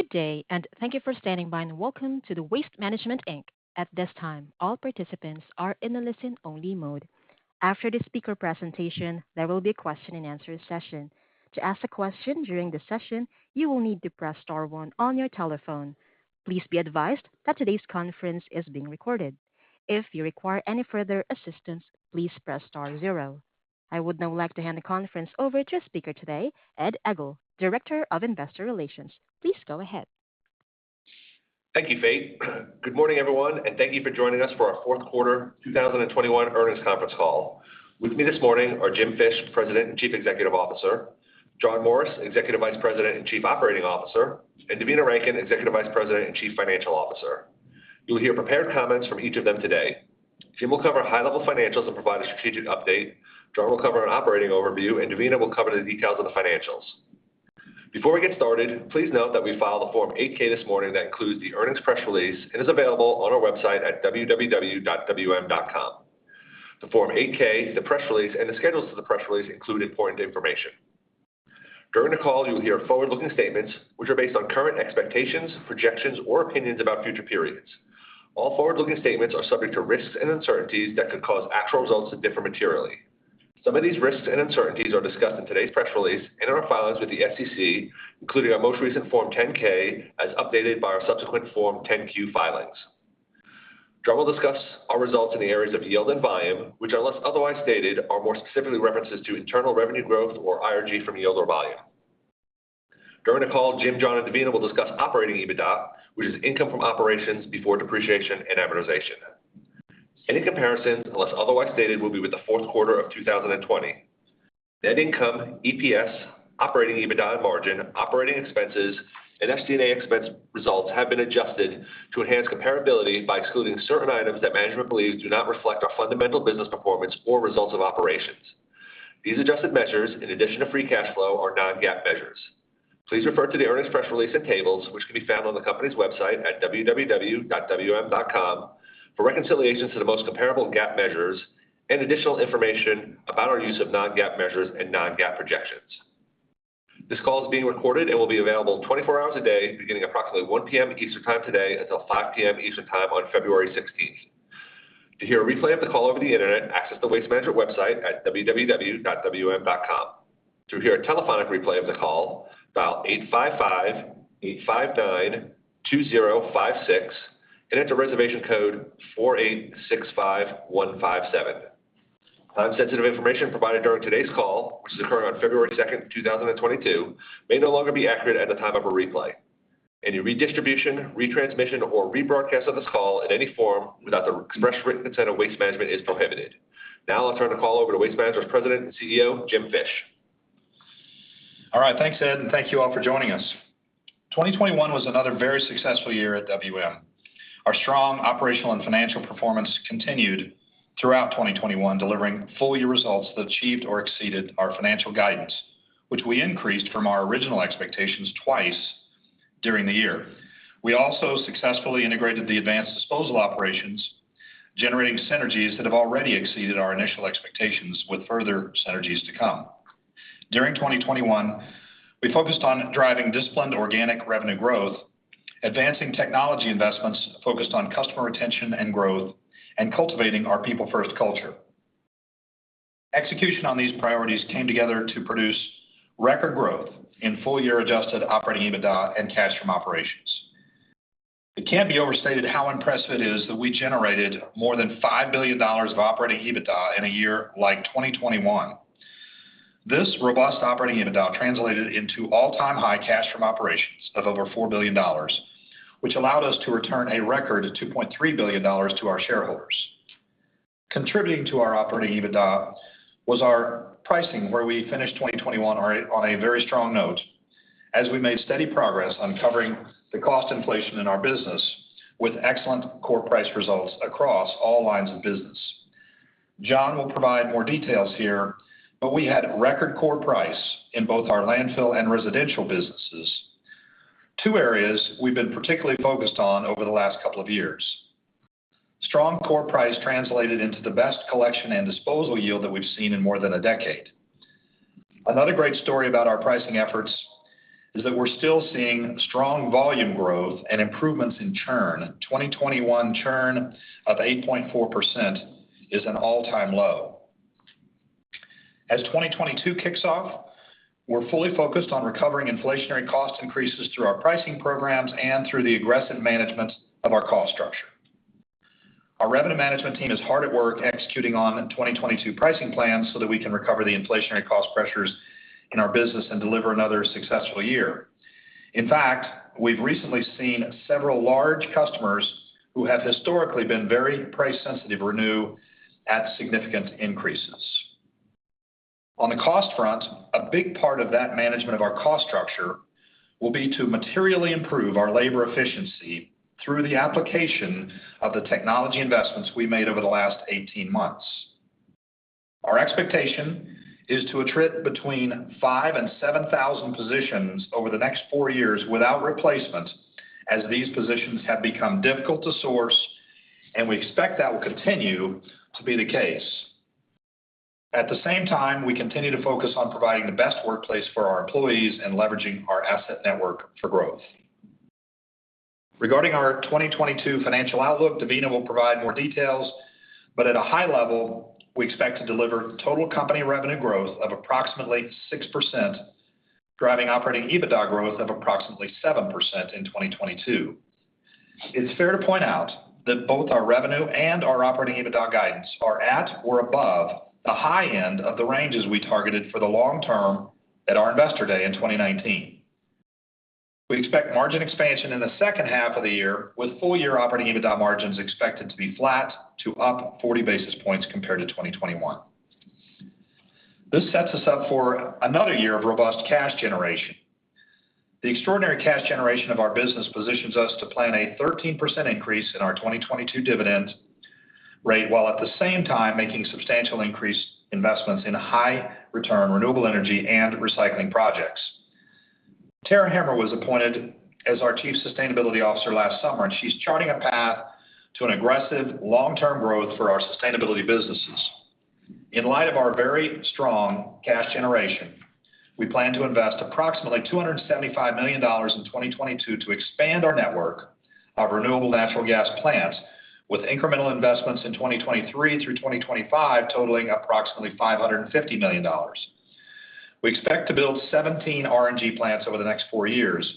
Good day, thank you for standing by, and welcome to the Waste Management, Inc. At this time, all participants are in a listen-only mode. After the speaker presentation, there will be a question-and-answer session. To ask a question during the session, you will need to press star one on your telephone. Please be advised that today's conference is being recorded. If you require any further assistance, please press star zero. I would now like to hand the conference over to the speaker today, Ed Egl, Director of Investor Relations. Please go ahead. Thank you, Faith. Good morning, everyone, and thank you for joining us for our fourth quarter 2021 earnings conference call. With me this morning are Jim Fish, President and Chief Executive Officer, John Morris, Executive Vice President and Chief Operating Officer, and Devina Rankin, Executive Vice President and Chief Financial Officer. You'll hear prepared comments from each of them today. Jim will cover high-level financials and provide a strategic update. John will cover an operating overview, and Devina will cover the details of the financials. Before we get started, please note that we filed a Form 8-K this morning that includes the earnings press release and is available on our website at www.wm.com. The Form 8-K, the press release, and the schedules to the press release include important information. During the call, you'll hear forward-looking statements which are based on current expectations, projections, or opinions about future periods. All forward-looking statements are subject to risks and uncertainties that could cause actual results to differ materially. Some of these risks and uncertainties are discussed in today's press release, in our filings with the SEC, including our most recent Form 10-K as updated by our subsequent Form 10-Q filings. John will discuss our results in the areas of yield and volume, which unless otherwise stated, are more specifically references to internal revenue growth or IRG from yield or volume. During the call, Jim, John, and Devina will discuss Operating EBITDA, which is income from operations before depreciation and amortization. Any comparisons, unless otherwise stated, will be with the fourth quarter of 2020. Net income, EPS, operating EBITDA margin, operating expenses, and SG&A expense results have been adjusted to enhance comparability by excluding certain items that management believes do not reflect our fundamental business performance or results of operations. These adjusted measures, in addition to free cash flow, are non-GAAP measures. Please refer to the earnings press release and tables which can be found on the company's website at wm.com for reconciliations to the most comparable GAAP measures and additional information about our use of non-GAAP measures and non-GAAP projections. This call is being recorded and will be available 24 hours a day, beginning approximately 1:00 P.M. Eastern Time today until 5:00 P.M. Eastern Time on February 16th. To hear a replay of the call over the Internet, access the Waste Management website at wm.com. To hear a telephonic replay of the call, dial 855-859-2056 and enter reservation code 4865157. Time-sensitive information provided during today's call, which is occurring on February 2, 2022, may no longer be accurate at the time of a replay. Any redistribution, retransmission, or rebroadcast of this call in any form without the express written consent of Waste Management is prohibited. Now I'll turn the call over to Waste Management's President and CEO, Jim Fish. All right. Thanks, Ed, and thank you all for joining us. 2021 was another very successful year at WM. Our strong operational and financial performance continued throughout 2021, delivering full-year results that achieved or exceeded our financial guidance, which we increased from our original expectations twice during the year. We also successfully integrated the Advanced Disposal operations, generating synergies that have already exceeded our initial expectations with further synergies to come. During 2021, we focused on driving disciplined organic revenue growth, advancing technology investments focused on customer retention and growth, and cultivating our people-first culture. Execution on these priorities came together to produce record growth in full-year adjusted Operating EBITDA and cash from operations. It can't be overstated how impressive it is that we generated more than $5 billion of Operating EBITDA in a year like 2021. This robust Operating EBITDA translated into all-time high cash from operations of over $4 billion, which allowed us to return a record $2.3 billion to our shareholders. Contributing to our Operating EBITDA was our pricing, where we finished 2021 on a very strong note as we made steady progress on covering the cost inflation in our business with excellent core price results across all lines of business. John will provide more details here, but we had record core price in both our landfill and residential businesses, two areas we've been particularly focused on over the last couple of years. Strong core price translated into the best collection and disposal yield that we've seen in more than a decade. Another great story about our pricing efforts is that we're still seeing strong volume growth and improvements in churn. 2021 churn of 8.4% is an all-time low. As 2022 kicks off, we're fully focused on recovering inflationary cost increases through our pricing programs and through the aggressive management of our cost structure. Our revenue management team is hard at work executing on 2022 pricing plans so that we can recover the inflationary cost pressures in our business and deliver another successful year. In fact, we've recently seen several large customers who have historically been very price sensitive renew at significant increases. On the cost front, a big part of that management of our cost structure will be to materially improve our labor efficiency through the application of the technology investments we made over the last 18 months. Our expectation is to attrit between 5,000 and 7,000 positions over the next four years without replacement, as these positions have become difficult to source, and we expect that will continue to be the case. At the same time, we continue to focus on providing the best workplace for our employees and leveraging our asset network for growth. Regarding our 2022 financial outlook, Devina will provide more details. At a high level, we expect to deliver total company revenue growth of approximately 6%, driving Operating EBITDA growth of approximately 7% in 2022. It's fair to point out that both our revenue and our Operating EBITDA guidance are at or above the high end of the ranges we targeted for the long term at our Investor Day in 2019. We expect margin expansion in the second half of the year, with full-year operating EBITDA margins expected to be flat to up 40 basis points compared to 2021. This sets us up for another year of robust cash generation. The extraordinary cash generation of our business positions us to plan a 13% increase in our 2022 dividend rate, while at the same time making substantial increased investments in high return renewable energy and recycling projects. Tara Hemmer was appointed as our Chief Sustainability Officer last summer and she's charting a path to an aggressive long-term growth for our sustainability businesses. In light of our very strong cash generation, we plan to invest approximately $275 million in 2022 to expand our network of renewable natural gas plants, with incremental investments in 2023 through 2025 totaling approximately $550 million. We expect to build 17 RNG plants over the next four years,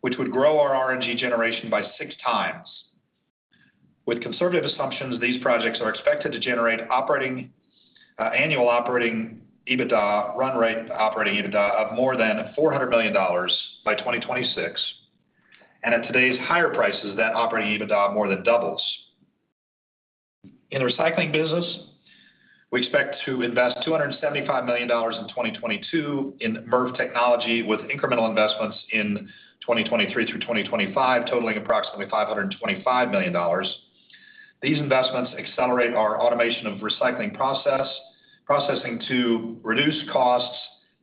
which would grow our RNG generation by 6x. With conservative assumptions, these projects are expected to generate annual operating EBITDA run rate of more than $400 million by 2026. At today's higher prices, that operating EBITDA more than doubles. In the recycling business, we expect to invest $275 million in 2022 in MRF technology with incremental investments in 2023 through 2025 totaling approximately $525 million. These investments accelerate our automation of recycling processing to reduce costs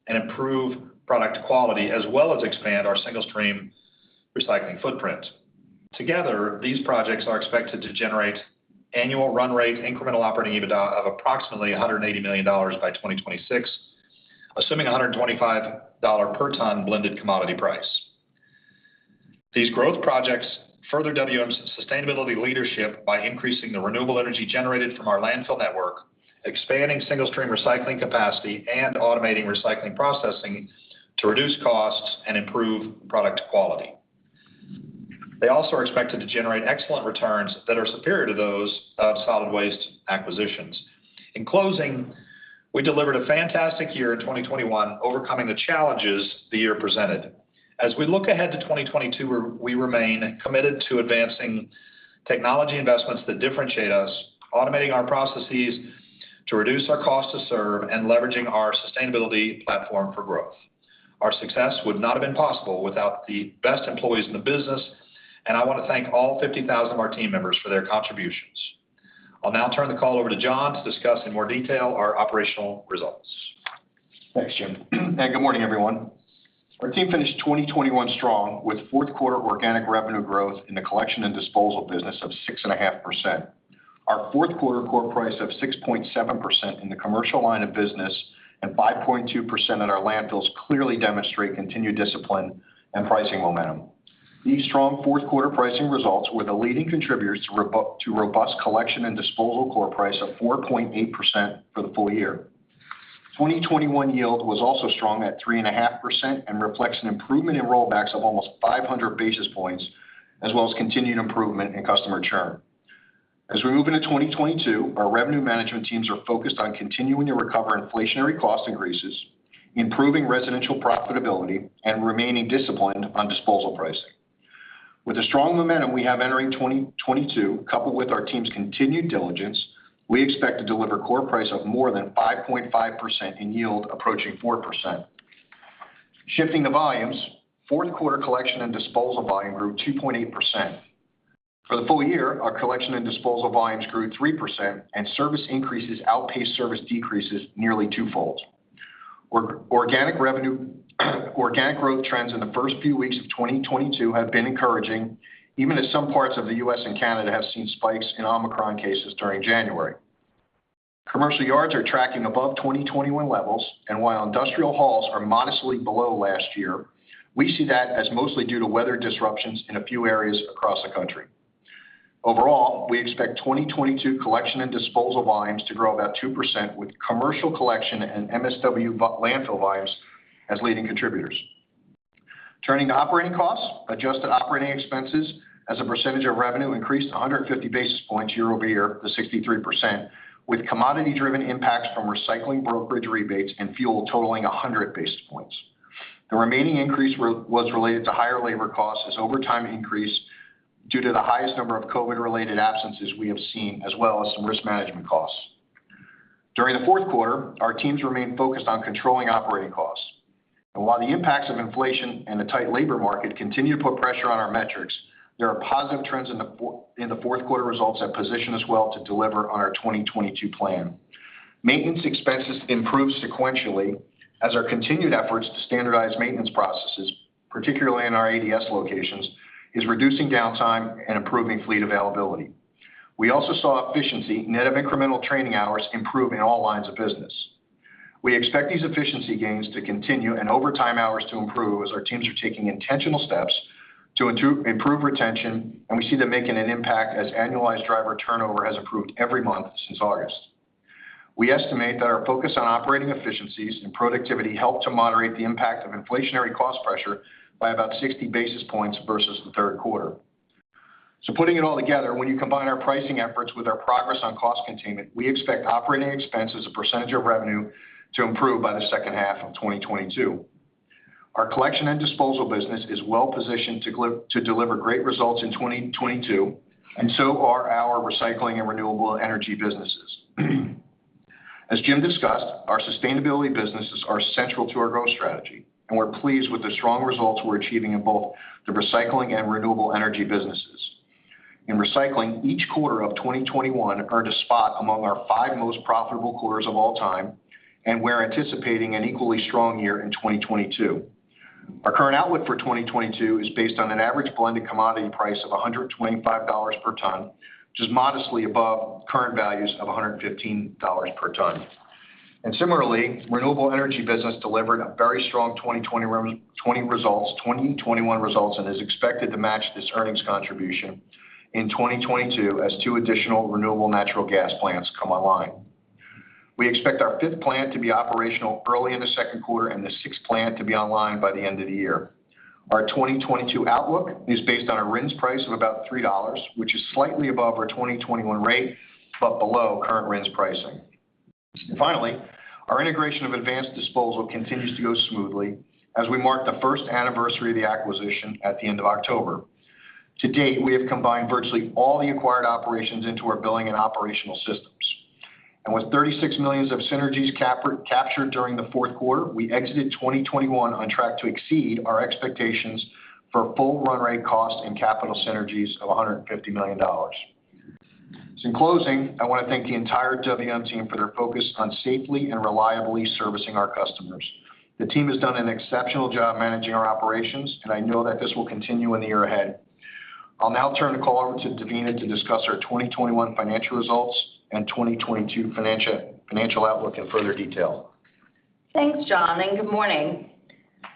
and improve product quality, as well as expand our single stream recycling footprint. Together, these projects are expected to generate annual run rate incremental Operating EBITDA of approximately $180 million by 2026, assuming a $125 per ton blended commodity price. These growth projects further WM's sustainability leadership by increasing the renewable energy generated from our landfill network, expanding single stream recycling capacity, and automating recycling processing to reduce costs and improve product quality. They also are expected to generate excellent returns that are superior to those of solid waste acquisitions. In closing, we delivered a fantastic year in 2021 overcoming the challenges the year presented. As we look ahead to 2022, we remain committed to advancing technology investments that differentiate us, automating our processes to reduce our cost to serve, and leveraging our sustainability platform for growth. Our success would not have been possible without the best employees in the business, and I want to thank all 50,000 of our team members for their contributions. I'll now turn the call over to John to discuss in more detail our operational results. Thanks, Jim. Good morning, everyone. Our team finished 2021 strong with fourth quarter organic revenue growth in the collection and disposal business of 6.5%. Our fourth quarter core price of 6.7% in the commercial line of business and 5.2% at our landfills clearly demonstrate continued discipline and pricing momentum. These strong fourth quarter pricing results were the leading contributors to robust collection and disposal core price of 4.8% for the full-year. 2021 yield was also strong at 3.5% and reflects an improvement in rollbacks of almost 500 basis points, as well as continued improvement in customer churn. As we move into 2022, our revenue management teams are focused on continuing to recover inflationary cost increases, improving residential profitability, and remaining disciplined on disposal pricing. With the strong momentum we have entering 2022, coupled with our team's continued diligence, we expect to deliver core price of more than 5.5% and yield approaching 4%. Shifting to volumes, fourth quarter collection and disposal volume grew 2.8%. For the full-year, our collection and disposal volumes grew 3% and service increases outpaced service decreases nearly two-fold. Our organic revenue, organic growth trends in the first few weeks of 2022 have been encouraging, even as some parts of the U.S. and Canada have seen spikes in Omicron cases during January. Commercial yards are tracking above 2021 levels, and while industrial hauls are modestly below last year, we see that as mostly due to weather disruptions in a few areas across the country. Overall, we expect 2022 collection and disposal volumes to grow about 2% with commercial collection and MSW landfill volumes as leading contributors. Turning to operating costs, adjusted operating expenses as a percentage of revenue increased 150 basis points year-over-year to 63%, with commodity-driven impacts from recycling brokerage rebates and fuel totaling 100 basis points. The remaining increase was related to higher labor costs as overtime increased due to the highest number of COVID-related absences we have seen, as well as some risk management costs. During the fourth quarter, our teams remained focused on controlling operating costs. While the impacts of inflation and the tight labor market continue to put pressure on our metrics, there are positive trends in the fourth quarter results that position us well to deliver on our 2022 plan. Maintenance expenses improved sequentially as our continued efforts to standardize maintenance processes. Particularly in our ADS locations, is reducing downtime and improving fleet availability. We also saw efficiency net of incremental training hours improve in all lines of business. We expect these efficiency gains to continue and overtime hours to improve as our teams are taking intentional steps to improve retention, and we see them making an impact as annualized driver turnover has improved every month since August. We estimate that our focus on operating efficiencies and productivity help to moderate the impact of inflationary cost pressure by about 60 basis points versus the third quarter. Putting it all together, when you combine our pricing efforts with our progress on cost containment, we expect operating expenses as a percentage of revenue to improve by the second half of 2022. Our collection and disposal business is well-positioned to deliver great results in 2022, and so are our recycling and renewable energy businesses. As Jim discussed, our sustainability businesses are central to our growth strategy, and we're pleased with the strong results we're achieving in both the recycling and renewable energy businesses. In recycling, each quarter of 2021 earned a spot among our five most profitable quarters of all time, and we're anticipating an equally strong year in 2022. Our current outlook for 2022 is based on an average blended commodity price of $125 per ton, which is modestly above current values of $115 per ton. Similarly, renewable energy business delivered a very strong 2020 results, 2021 results, and is expected to match this earnings contribution in 2022 as two additional renewable natural gas plants come online. We expect our fifth plant to be operational early in the second quarter and the sixth plant to be online by the end of the year. Our 2022 outlook is based on a RINs price of about $3, which is slightly above our 2021 rate, but below current RINs pricing. Finally, our integration of Advanced Disposal continues to go smoothly as we mark the first anniversary of the acquisition at the end of October. To date, we have combined virtually all the acquired operations into our billing and operational systems. With 36 million of synergies captured during the fourth quarter, we exited 2021 on track to exceed our expectations for full run rate cost and capital synergies of $150 million. In closing, I wanna thank the entire WM team for their focus on safely and reliably servicing our customers. The team has done an exceptional job managing our operations, and I know that this will continue in the year ahead. I'll now turn the call over to Devina to discuss our 2021 financial results and 2022 financial outlook in further detail. Thanks, John, and good morning.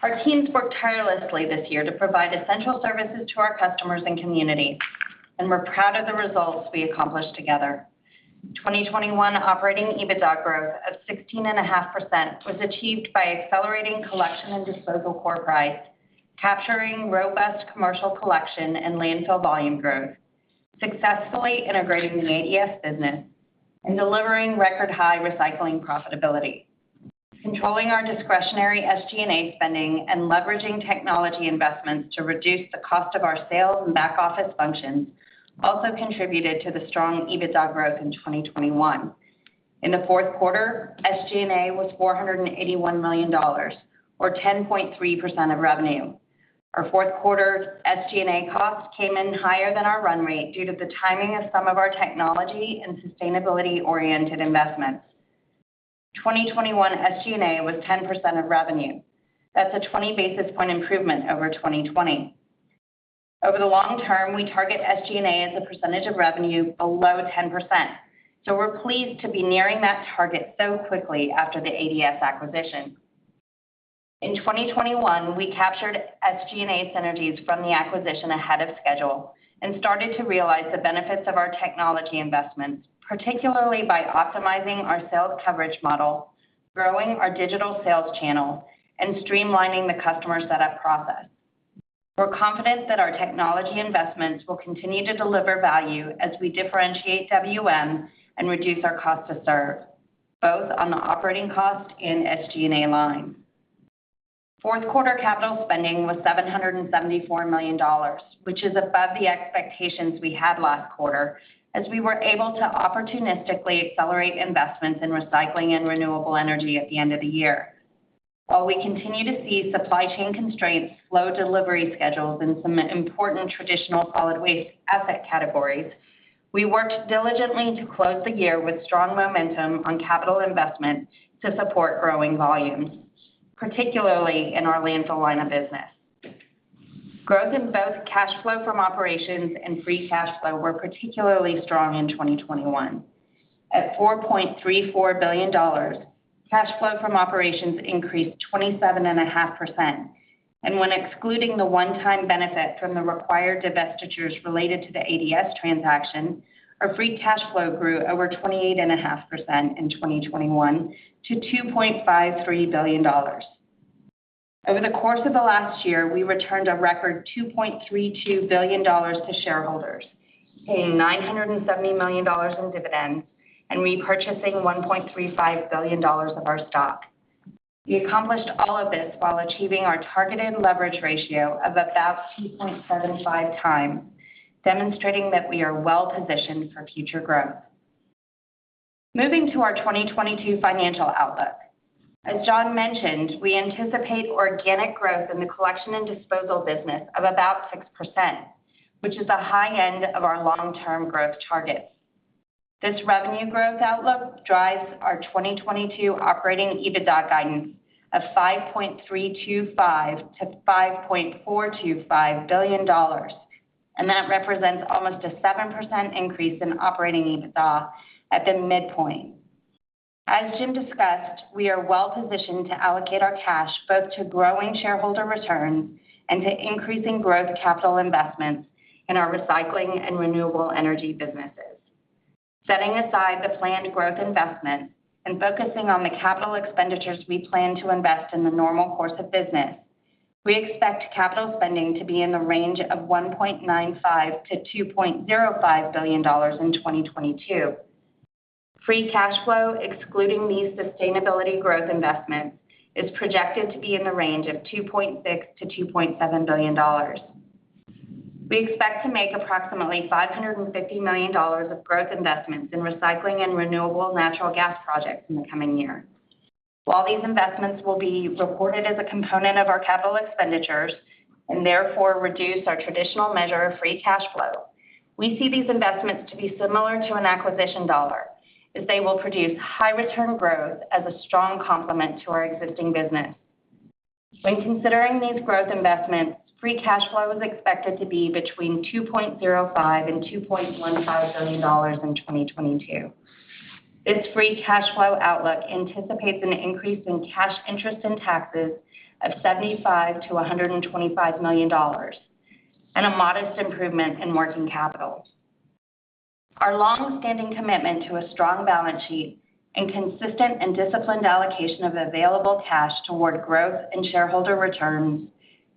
Our teams worked tirelessly this year to provide essential services to our customers and community, and we're proud of the results we accomplished together. 2021 operating EBITDA growth of 16.5% was achieved by accelerating collection and disposal core price, capturing robust commercial collection and landfill volume growth, successfully integrating the ADS business and delivering record high recycling profitability. Controlling our discretionary SG&A spending and leveraging technology investments to reduce the cost of our sales and back-office functions also contributed to the strong EBITDA growth in 2021. In the fourth quarter, SG&A was $481 million or 10.3% of revenue. Our fourth quarter SG&A costs came in higher than our run rate due to the timing of some of our technology and sustainability-oriented investments. 2021 SG&A was 10% of revenue. That's a 20 basis point improvement over 2020. Over the long term, we target SG&A as a percentage of revenue below 10%. We're pleased to be nearing that target so quickly after the ADS acquisition. In 2021, we captured SG&A synergies from the acquisition ahead of schedule and started to realize the benefits of our technology investments, particularly by optimizing our sales coverage model, growing our digital sales channel, and streamlining the customer setup process. We're confident that our technology investments will continue to deliver value as we differentiate WM and reduce our cost to serve, both on the operating cost and SG&A line. Fourth quarter capital spending was $774 million, which is above the expectations we had last quarter as we were able to opportunistically accelerate investments in recycling and renewable energy at the end of the year. While we continue to see supply chain constraints, slow delivery schedules in some important traditional solid waste asset categories, we worked diligently to close the year with strong momentum on capital investment to support growing volumes, particularly in our landfill line of business. Growth in both cash flow from operations and free cash flow were particularly strong in 2021. At $4.34 billion, cash flow from operations increased 27.5%. When excluding the one-time benefit from the required divestitures related to the ADS transaction, our free cash flow grew over 28.5% in 2021 to $2.53 billion. Over the course of the last year, we returned a record $2.32 billion to shareholders, paying $970 million in dividends and repurchasing $1.35 billion of our stock. We accomplished all of this while achieving our targeted leverage ratio of about 2.75x, demonstrating that we are well-positioned for future growth. Moving to our 2022 financial outlook. As John mentioned, we anticipate organic growth in the collection and disposal business of about 6%, which is the high end of our long-term growth targets. This revenue growth outlook drives our 2022 Operating EBITDA guidance of $5.325-5.425 billion. That represents almost a 7% increase in Operating EBITDA at the midpoint. As Jim discussed, we are well-positioned to allocate our cash both to growing shareholder returns and to increasing growth capital investments in our recycling and renewable energy businesses. Setting aside the planned growth investment and focusing on the capital expenditures we plan to invest in the normal course of business, we expect capital spending to be in the range of $1.95-2.05 billion in 2022. Free cash flow, excluding these sustainability growth investments, is projected to be in the range of $2.6-2.7 billion. We expect to make approximately $550 million of growth investments in recycling and renewable natural gas projects in the coming year. While these investments will be reported as a component of our capital expenditures and therefore reduce our traditional measure of free cash flow, we see these investments to be similar to an acquisition dollar as they will produce high return growth as a strong complement to our existing business. When considering these growth investments, free cash flow is expected to be between $2.05-2.15 billion in 2022. This free cash flow outlook anticipates an increase in cash interest and taxes of $75-125 million and a modest improvement in working capital. Our long-standing commitment to a strong balance sheet and consistent and disciplined allocation of available cash toward growth and shareholder returns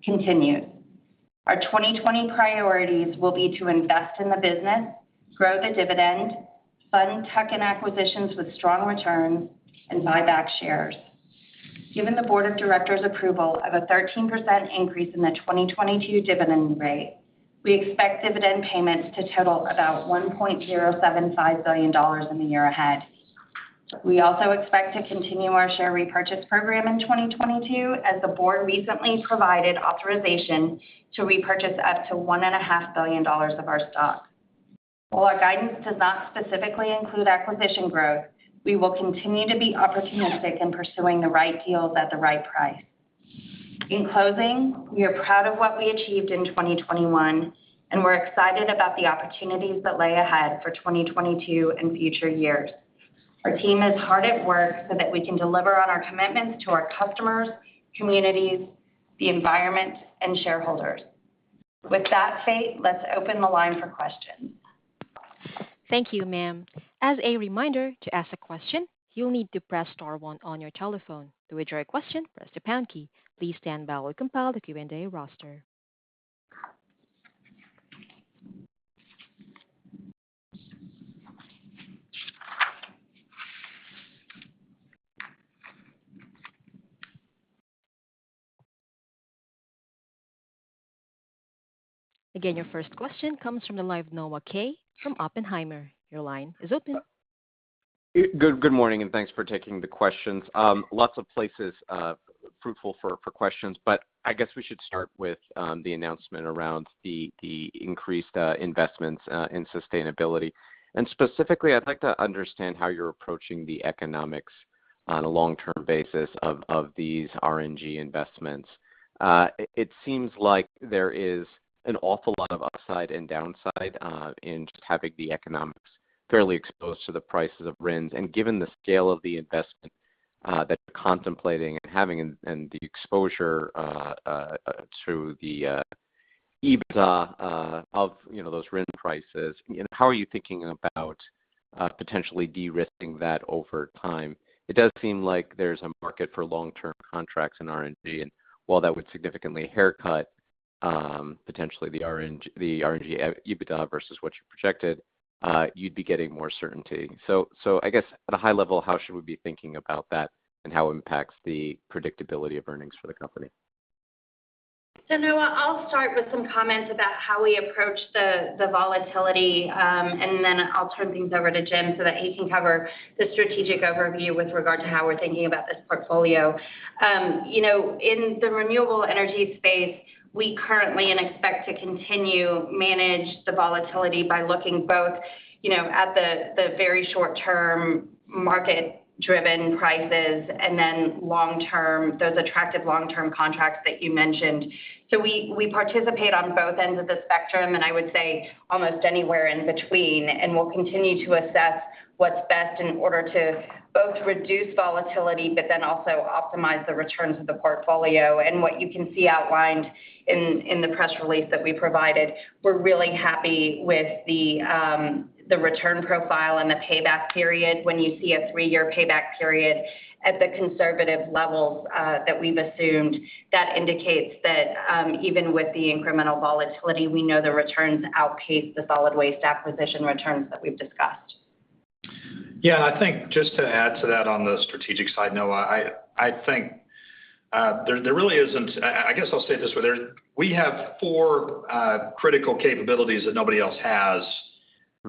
continue. Our 2020 priorities will be to invest in the business, grow the dividend, fund tech and acquisitions with strong returns, and buy back shares. Given the board of directors approval of a 13% increase in the 2022 dividend rate, we expect dividend payments to total about $1.075 billion in the year ahead. We also expect to continue our share repurchase program in 2022 as the board recently provided authorization to repurchase up to $1.5 billion of our stock. While our guidance does not specifically include acquisition growth, we will continue to be opportunistic in pursuing the right deals at the right price. In closing, we are proud of what we achieved in 2021, and we're excited about the opportunities that lay ahead for 2022 and future years. Our team is hard at work so that we can deliver on our commitments to our customers, communities, the environment, and shareholders. With that said, let's open the line for questions. Thank you, ma'am. As a reminder, to ask a question, you'll need to press star one on your telephone. To withdraw your question, press the pound key. Please stand by while we compile the Q&A roster. Again, your first question comes from the line of Noah Kaye from Oppenheimer. Your line is open. Good morning, and thanks for taking the questions. Lots of places fruitful for questions, but I guess we should start with the announcement around the increased investments in sustainability. Specifically, I'd like to understand how you're approaching the economics on a long-term basis of these RNG investments. It seems like there is an awful lot of upside and downside in just having the economics fairly exposed to the prices of RINs. Given the scale of the investment that you're contemplating and having and the exposure to the EBITDA of those RIN prices, you know, how are you thinking about potentially de-risking that over time? It does seem like there's a market for long-term contracts in RNG. While that would significantly haircut potentially the RNG EBITDA versus what you projected, you'd be getting more certainty. I guess at a high level, how should we be thinking about that, and how it impacts the predictability of earnings for the company? Noah, I'll start with some comments about how we approach the volatility, and then I'll turn things over to Jim so that he can cover the strategic overview with regard to how we're thinking about this portfolio. You know, in the renewable energy space, we currently and expect to continue manage the volatility by looking both, you know, at the very short term market-driven prices and then long term, those attractive long-term contracts that you mentioned. We participate on both ends of the spectrum, and I would say almost anywhere in between. We'll continue to assess what's best in order to both reduce volatility, but then also optimize the returns of the portfolio. What you can see outlined in the press release that we provided, we're really happy with the return profile and the payback period. When you see a three-year payback period at the conservative levels that we've assumed, that indicates that even with the incremental volatility, we know the returns outpace the solid waste acquisition returns that we've discussed. Yeah. I think just to add to that on the strategic side, Noah, I think there really isn't. I guess I'll say it this way. We have four critical capabilities that nobody else has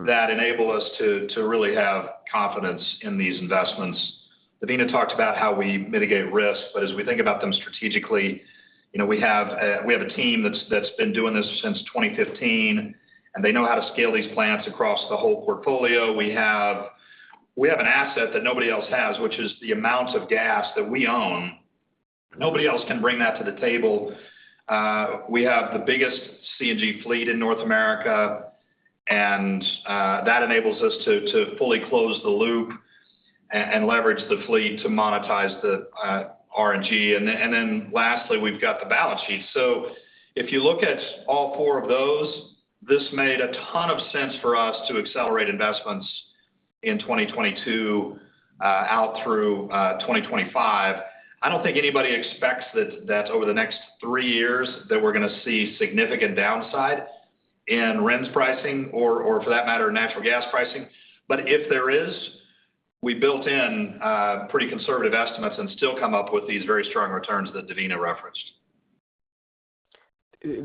that enable us to really have confidence in these investments. Devina talked about how we mitigate risk. As we think about them strategically, you know, we have a team that's been doing this since 2015, and they know how to scale these plants across the whole portfolio. We have an asset that nobody else has, which is the amounts of gas that we own. Nobody else can bring that to the table. We have the biggest CNG fleet in North America, and that enables us to fully close the loop and leverage the fleet to monetize the RNG. Lastly, we've got the balance sheet. If you look at all four of those, this made a ton of sense for us to accelerate investments in 2022 out through 2025. I don't think anybody expects that over the next three years that we're gonna see significant downside in RINs pricing or for that matter, natural gas pricing. If there is, we built in pretty conservative estimates and still come up with these very strong returns that Devina referenced.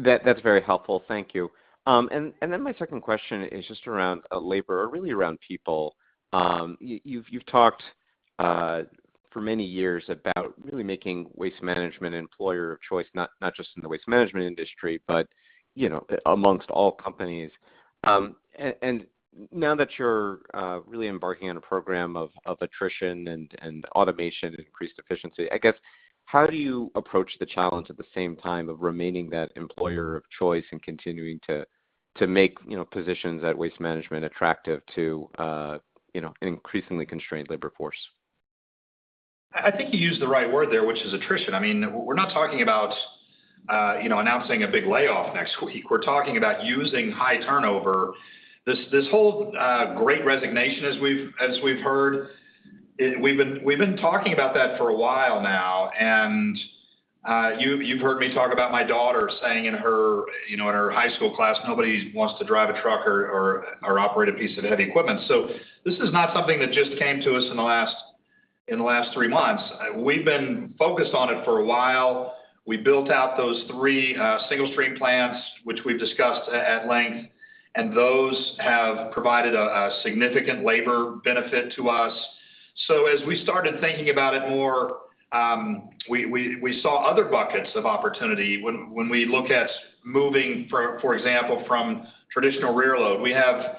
That, that's very helpful. Thank you. My second question is just around labor or really around people. You've talked for many years about really making Waste Management employer of choice, not just in the waste management industry, but you know, among all companies. Now that you're really embarking on a program of attrition and automation, increased efficiency, I guess how do you approach the challenge at the same time of remaining that employer of choice and continuing to make you know, positions at Waste Management attractive to you know, an increasingly constrained labor force? I think you used the right word there, which is attrition. I mean, we're not talking about, you know, announcing a big layoff next week. We're talking about using high turnover. This whole great resignation as we've heard, we've been talking about that for a while now. You've heard me talk about my daughter saying in her, you know, in her high school class, nobody wants to drive a truck or operate a piece of heavy equipment. So this is not something that just came to us in the last three months. We've been focused on it for a while. We built out those three single-stream plants, which we've discussed at length, and those have provided a significant labor benefit to us. As we started thinking about it more, we saw other buckets of opportunity when we look at moving, for example, from traditional rear load. We have,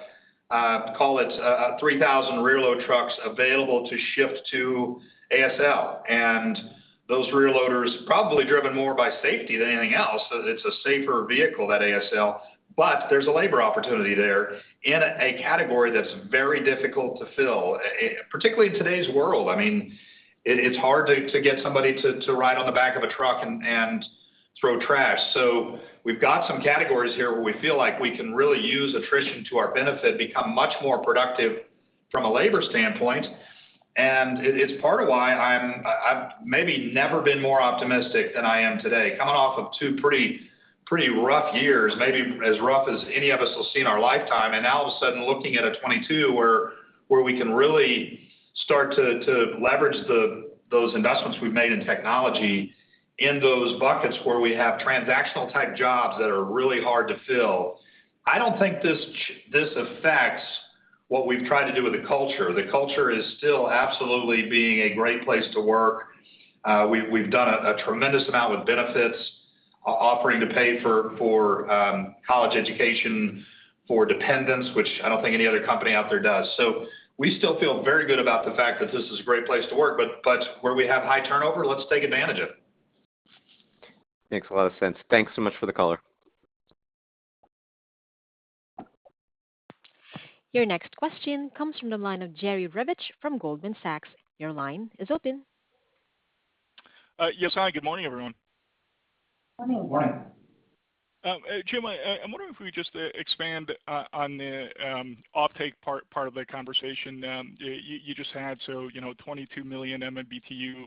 call it, 3,000 rear load trucks available to shift to ASL. Those rear loaders probably driven more by safety than anything else. It's a safer vehicle, that ASL. But there's a labor opportunity there in a category that's very difficult to fill, particularly in today's world. I mean, it's hard to get somebody to ride on the back of a truck and throw trash. We've got some categories here where we feel like we can really use attrition to our benefit, become much more productive from a labor standpoint. It's part of why I've maybe never been more optimistic than I am today. Coming off of two pretty rough years, maybe as rough as any of us will see in our lifetime. Now all of a sudden looking at a 2022 where we can really start to leverage those investments we've made in technology in those buckets where we have transactional type jobs that are really hard to fill. I don't think this affects what we've tried to do with the culture. The culture is still absolutely being a great place to work. We've done a tremendous amount with benefits, offering to pay for college education for dependents, which I don't think any other company out there does. We still feel very good about the fact that this is a great place to work. Where we have high turnover, let's take advantage of it. Makes a lot of sense. Thanks so much for the color. Your next question comes from the line of Jerry Revich from Goldman Sachs. Your line is open. Yes. Hi, good morning, everyone. Good morning. Jim, I'm wondering if we just expand on the offtake part of the conversation you just had. You know, 22 million MMBtu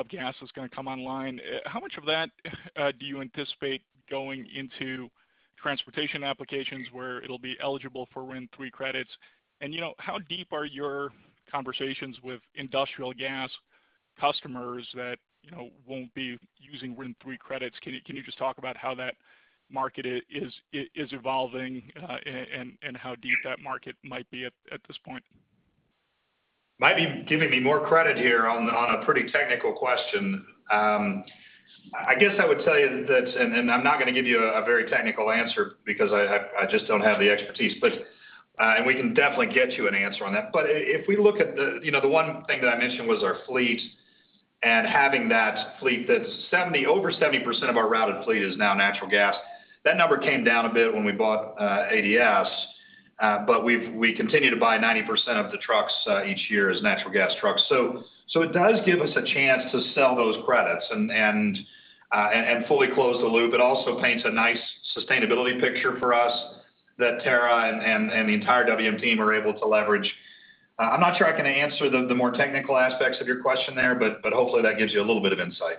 of gas is gonna come online. How much of that do you anticipate going into transportation applications where it'll be eligible for D3 RIN credit? You know, how deep are your conversations with industrial gas customers that won't be using D3 RIN credit? Can you just talk about how that market is evolving, and how deep that market might be at this point? Might be giving me more credit here on a pretty technical question. I guess I would tell you that I'm not gonna give you a very technical answer because I just don't have the expertise. We can definitely get you an answer on that. If we look at the one thing that I mentioned was our fleet and having that fleet that over 70% of our routed fleet is now natural gas. That number came down a bit when we bought ADS. We continue to buy 90% of the trucks each year as natural gas trucks. It does give us a chance to sell those credits and fully close the loop. It also paints a nice sustainability picture for us that Tara and the entire WM team are able to leverage. I'm not sure I can answer the more technical aspects of your question there, but hopefully that gives you a little bit of insight. Okay.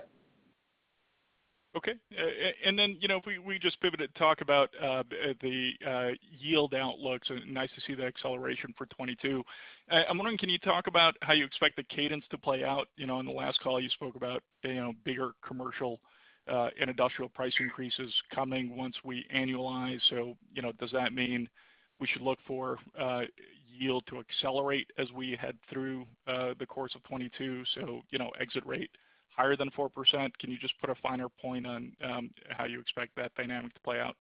And then, you know, we just pivoted to talk about the yield outlook, so nice to see the acceleration for 2022. I'm wondering, can you talk about how you expect the cadence to play out? You know, on the last call you spoke about, you know, bigger commercial and industrial price increases coming once we annualize. You know, does that mean we should look for yield to accelerate as we head through the course of 2022? You know, exit rate higher than 4%. Can you just put a finer point on how you expect that dynamic to play out?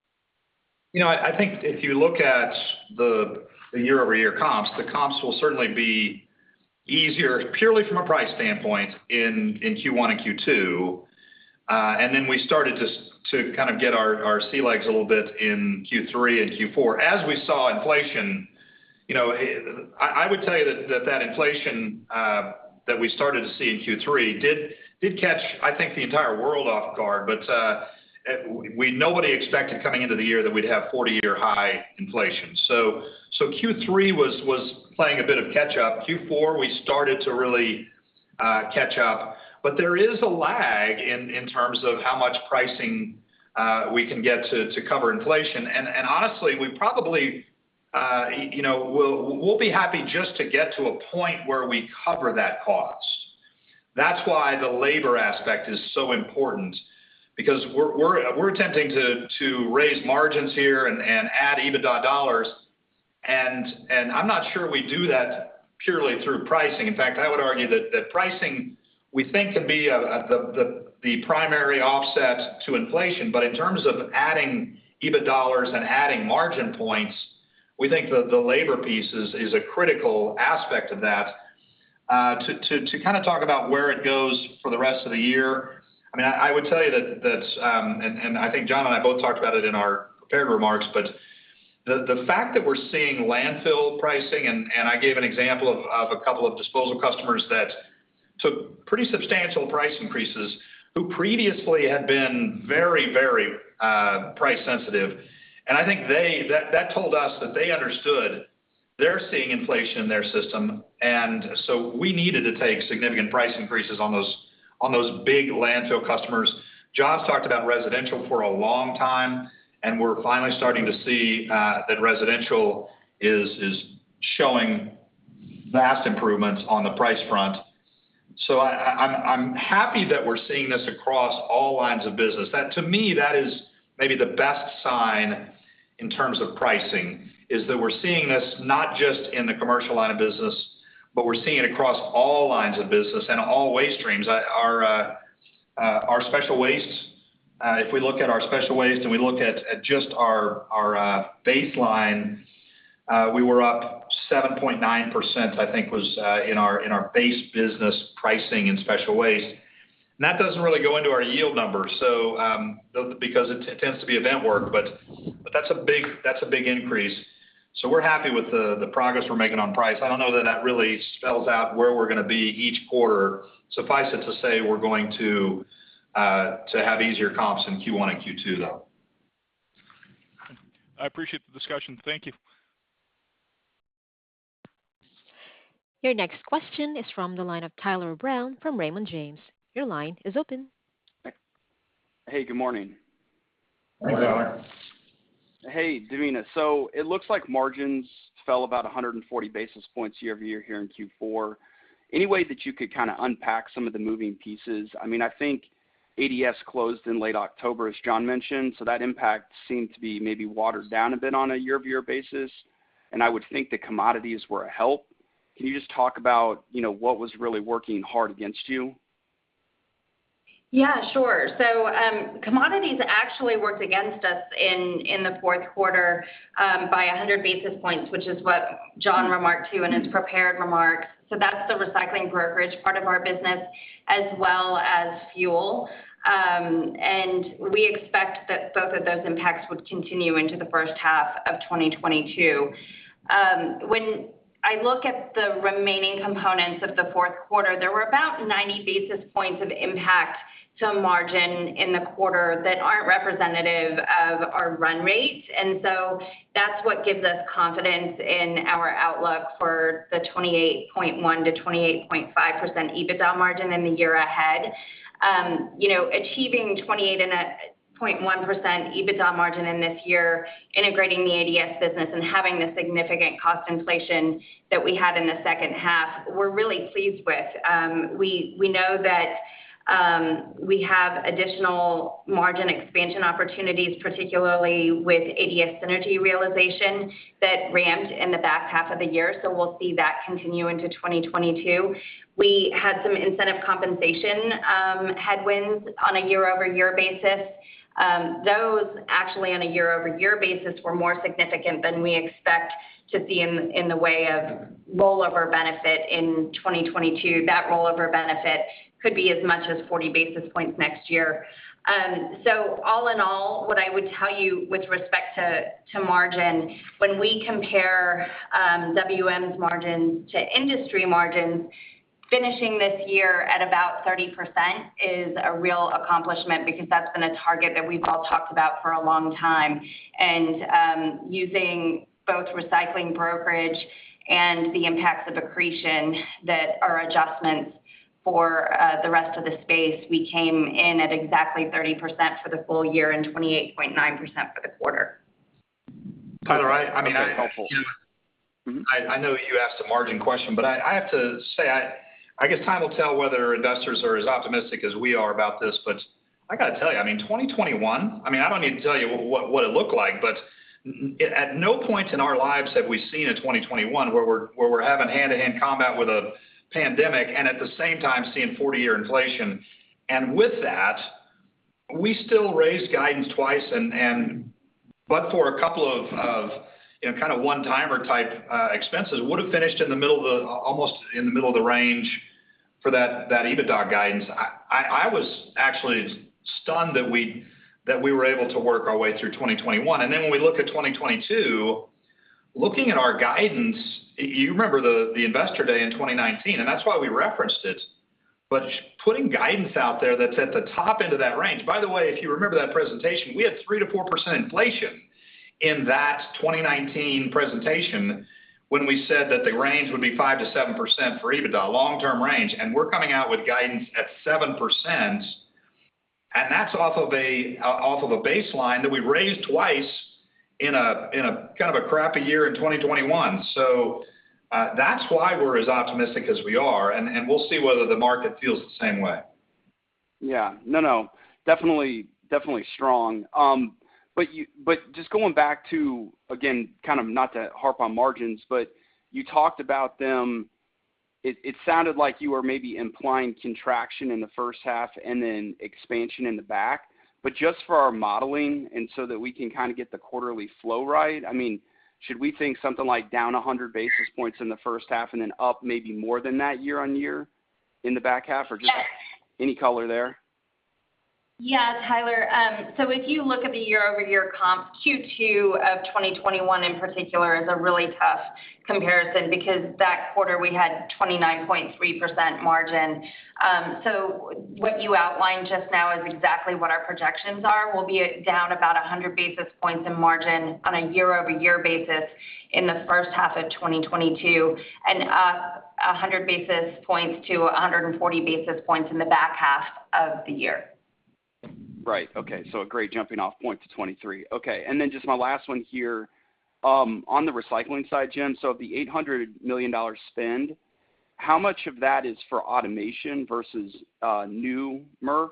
You know, I think if you look at the year-over-year comps, the comps will certainly be easier purely from a price standpoint in Q1 and Q2. Then we started to kind of get our sea legs a little bit in Q3 and Q4. As we saw inflation, you know, I would tell you that inflation that we started to see in Q3 did catch, I think, the entire world off guard. Nobody expected coming into the year that we'd have 40-year high inflation. Q3 was playing a bit of catch up. Q4, we started to really catch up, but there is a lag in terms of how much pricing we can get to cover inflation. Honestly, we probably, you know, we'll be happy just to get to a point where we cover that cost. That's why the labor aspect is so important because we're attempting to raise margins here and add EBITDA dollars. I'm not sure we do that purely through pricing. In fact, I would argue that pricing we think can be the primary offset to inflation. But in terms of adding EBIT dollars and adding margin points, we think the labor piece is a critical aspect of that. To kind of talk about where it goes for the rest of the year, I mean, I would tell you that. I think John and I both talked about it in our prepared remarks, but the fact that we're seeing landfill pricing, and I gave an example of a couple of disposal customers that took pretty substantial price increases, who previously had been very price sensitive. I think that told us that they understood they're seeing inflation in their system, and we needed to take significant price increases on those big landfill customers. John's talked about residential for a long time, and we're finally starting to see that residential is showing vast improvements on the price front. I'm happy that we're seeing this across all lines of business. That to me, that is maybe the best sign in terms of pricing, is that we're seeing this not just in the commercial line of business, but we're seeing it across all lines of business and all waste streams. Our special wastes, if we look at our special waste and we look at just our baseline, we were up 7.9%, I think was, in our base business pricing in special waste. That doesn't really go into our yield numbers, so, because it tends to be event work, but that's a big increase. We're happy with the progress we're making on price. I don't know that that really spells out where we're gonna be each quarter. Suffice it to say, we're going to have easier comps in Q1 and Q2, though. I appreciate the discussion. Thank you. Your next question is from the line of Tyler Brown from Raymond James. Your line is open. Hey, good morning. Good morning. Morning. Hey, Devina. It looks like margins fell about 140 basis points year-over-year here in Q4. Any way that you could kinda unpack some of the moving pieces? I mean, I think ADS closed in late October, as John mentioned, so that impact seemed to be maybe watered down a bit on a year-over-year basis, and I would think the commodities were a help. Can you just talk about, you know, what was really working hard against you? Yeah, sure. Commodities actually worked against us in the fourth quarter by 100 basis points, which is what John remarked to in his prepared remarks. That's the recycling brokerage part of our business, as well as fuel. We expect that both of those impacts would continue into the first half of 2022. When I look at the remaining components of the fourth quarter, there were about 90 basis points of impact to margin in the quarter that aren't representative of our run rate. That's what gives us confidence in our outlook for the 28.1%-28.5% EBITDA margin in the year ahead. You know, achieving 28.1% EBITDA margin in this year, integrating the ADS business and having the significant cost inflation that we had in the second half, we're really pleased with. We know that we have additional margin expansion opportunities, particularly with ADS synergy realization that ramped in the back half of the year, so we'll see that continue into 2022. We had some incentive compensation headwinds on a year-over-year basis. Those actually on a year-over-year basis were more significant than we expect to see in the way of rollover benefit in 2022. That rollover benefit could be as much as 40 basis points next year. So all in all, what I would tell you with respect to to margin, when we compare WM's margins to industry margins, finishing this year at about 30% is a real accomplishment because that's been a target that we've all talked about for a long time. Using both recycling brokerage and the impacts of accretion that are adjustments for the rest of the space, we came in at exactly 30% for the full-year and 28.9% for the quarter. Tyler, I mean, That's helpful. Mm-hmm. I know you asked a margin question, but I have to say, I guess time will tell whether investors are as optimistic as we are about this. I gotta tell you, I mean, 2021, I mean, I don't need to tell you what it looked like, but at no point in our lives have we seen a 2021 where we're having hand-to-hand combat with a pandemic and at the same time seeing 40-year inflation. With that, we still raised guidance twice and but for a couple of you know kind of one-timer type expenses would have finished almost in the middle of the range for that EBITDA guidance. I was actually stunned that we were able to work our way through 2021. When we look at 2022, looking at our guidance, you remember the investor day in 2019, and that's why we referenced it. Putting guidance out there that's at the top end of that range. By the way, if you remember that presentation, we had 3%-4% inflation in that 2019 presentation when we said that the range would be 5%-7% for EBITDA, long-term range, and we're coming out with guidance at 7%. That's off of a baseline that we've raised twice in a kind of a crappy year in 2021. That's why we're as optimistic as we are, and we'll see whether the market feels the same way. Yeah. No, no. Definitely strong. Just going back to, again, kind of not to harp on margins, but you talked about them. It sounded like you were maybe implying contraction in the first half and then expansion in the back half. Just for our modeling and so that we can kind of get the quarterly flow right, I mean, should we think something like down 100 basis points in the first half and then up maybe more than that year-on-year in the back half or just any color there? Yeah, Tyler. If you look at the year-over-year comp, Q2 of 2021 in particular is a really tough comparison because that quarter we had 29.3% margin. What you outlined just now is exactly what our projections are. We'll be down about 100 basis points in margin on a year-over-year basis in the first half of 2022, and 100 basis points to 140 basis points in the back half of the year. Right. Okay. A great jumping off point to 2023. Okay. Just my last one here. On the recycling side, Jim, of the $800 million spend, how much of that is for automation versus new MRFs?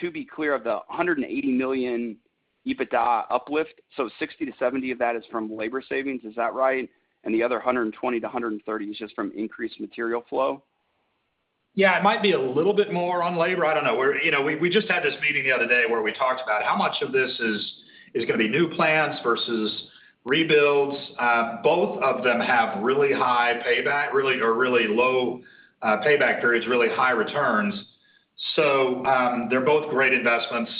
To be clear, of the $180 million EBITDA uplift, $60-70 million of that is from labor savings. Is that right? The other $120-130 million is just from increased material flow. Yeah, it might be a little bit more on labor. I don't know. You know, we just had this meeting the other day where we talked about how much of this is gonna be new plants versus rebuilds. Both of them have really high payback or really low payback periods, really high returns. They're both great investments.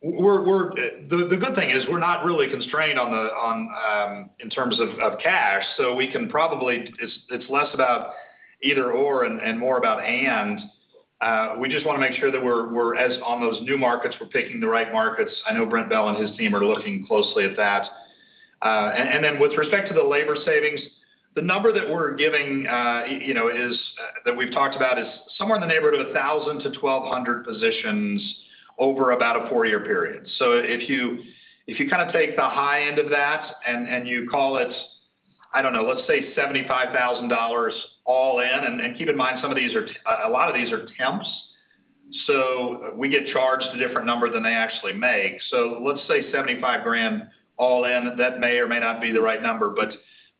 The good thing is we're not really constrained in terms of cash. We can probably. It's less about either/or and more about and. We just wanna make sure that we're also on those new markets, we're picking the right markets. I know Brent Bell and his team are looking closely at that. With respect to the labor savings, the number that we're giving, you know, is that we've talked about is somewhere in the neighborhood of 1,000-1,200 positions over about a four-year period. If you kind of take the high end of that and you call it, I don't know, let's say $75,000 all in, and keep in mind, some of these are a lot of these are temps, so we get charged a different number than they actually make. Let's say $75,000 all in. That may or may not be the right number,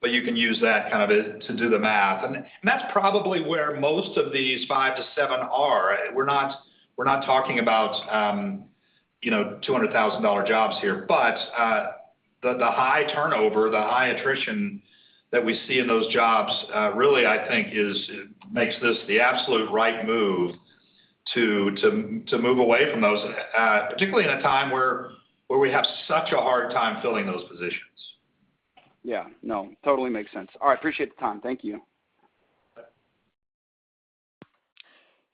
but you can use that kind of to do the math. That's probably where most of these 5-7 are. We're not talking about, you know, $200,000 jobs here. The high turnover, the high attrition that we see in those jobs really, I think, makes this the absolute right move to move away from those, particularly in a time where we have such a hard time filling those positions. Yeah. No, totally makes sense. All right. Appreciate the time. Thank you.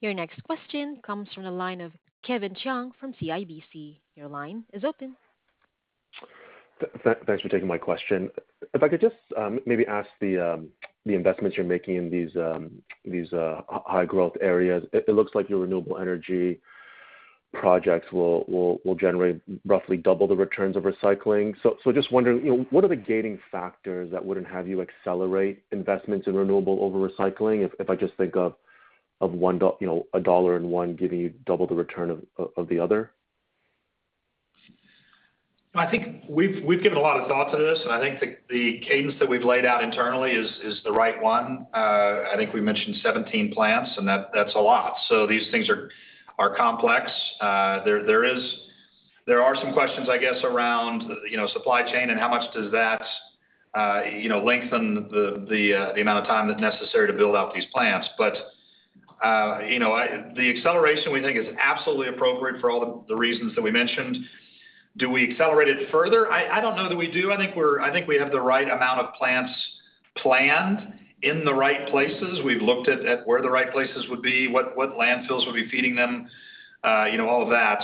Your next question comes from the line of Kevin Chiang from CIBC. Your line is open. Thanks for taking my question. If I could just maybe ask the investments you're making in these high growth areas. It looks like your renewable energy projects will generate roughly double the returns of recycling. So just wondering, you know, what are the gating factors that wouldn't have you accelerate investments in renewable over recycling if I just think of a dollar in one giving you double the return of the other? I think we've given a lot of thought to this, and I think the cadence that we've laid out internally is the right one. I think we mentioned 17 plants, and that's a lot. These things are complex. There are some questions, I guess, around, you know, supply chain and how much does that, you know, lengthen the amount of time that's necessary to build out these plants. You know, the acceleration we think is absolutely appropriate for all the reasons that we mentioned. Do we accelerate it further? I don't know that we do. I think we have the right amount of plants planned in the right places. We've looked at where the right places would be, what landfills would be feeding them, you know, all of that.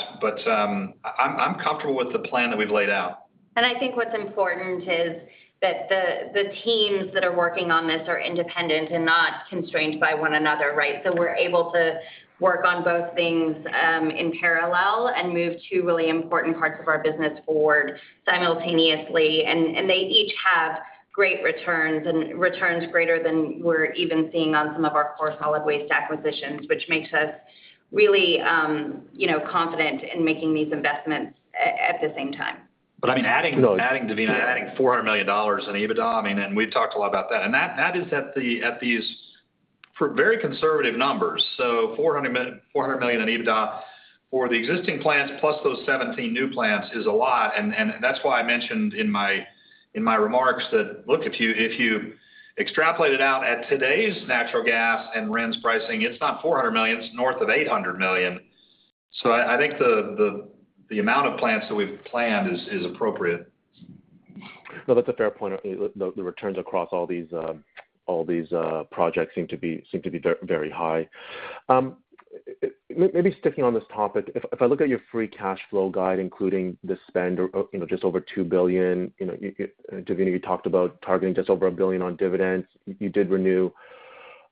I'm comfortable with the plan that we've laid out. I think what's important is that the teams that are working on this are independent and not constrained by one another, right? We're able to work on both things in parallel and move two really important parts of our business forward simultaneously. They each have great returns and returns greater than we're even seeing on some of our core solid waste acquisitions, which makes us really, you know, confident in making these investments at the same time. I mean, adding- No Adding, Devina, $400 million in EBITDA, I mean, and we've talked a lot about that. That is at these very conservative numbers. $400 million in EBITDA for the existing plants plus those 17 new plants is a lot, and that's why I mentioned in my remarks that, look, if you extrapolate it out at today's natural gas and RINs pricing, it's not $400 million, it's north of $800 million. I think the amount of plants that we've planned is appropriate. No, that's a fair point. The returns across all these projects seem to be very high. Maybe sticking on this topic, if I look at your free cash flow guide, including the spend or, you know, just over $2 billion, you know, you could... Devina, you talked about targeting just over $1 billion on dividends. You did renew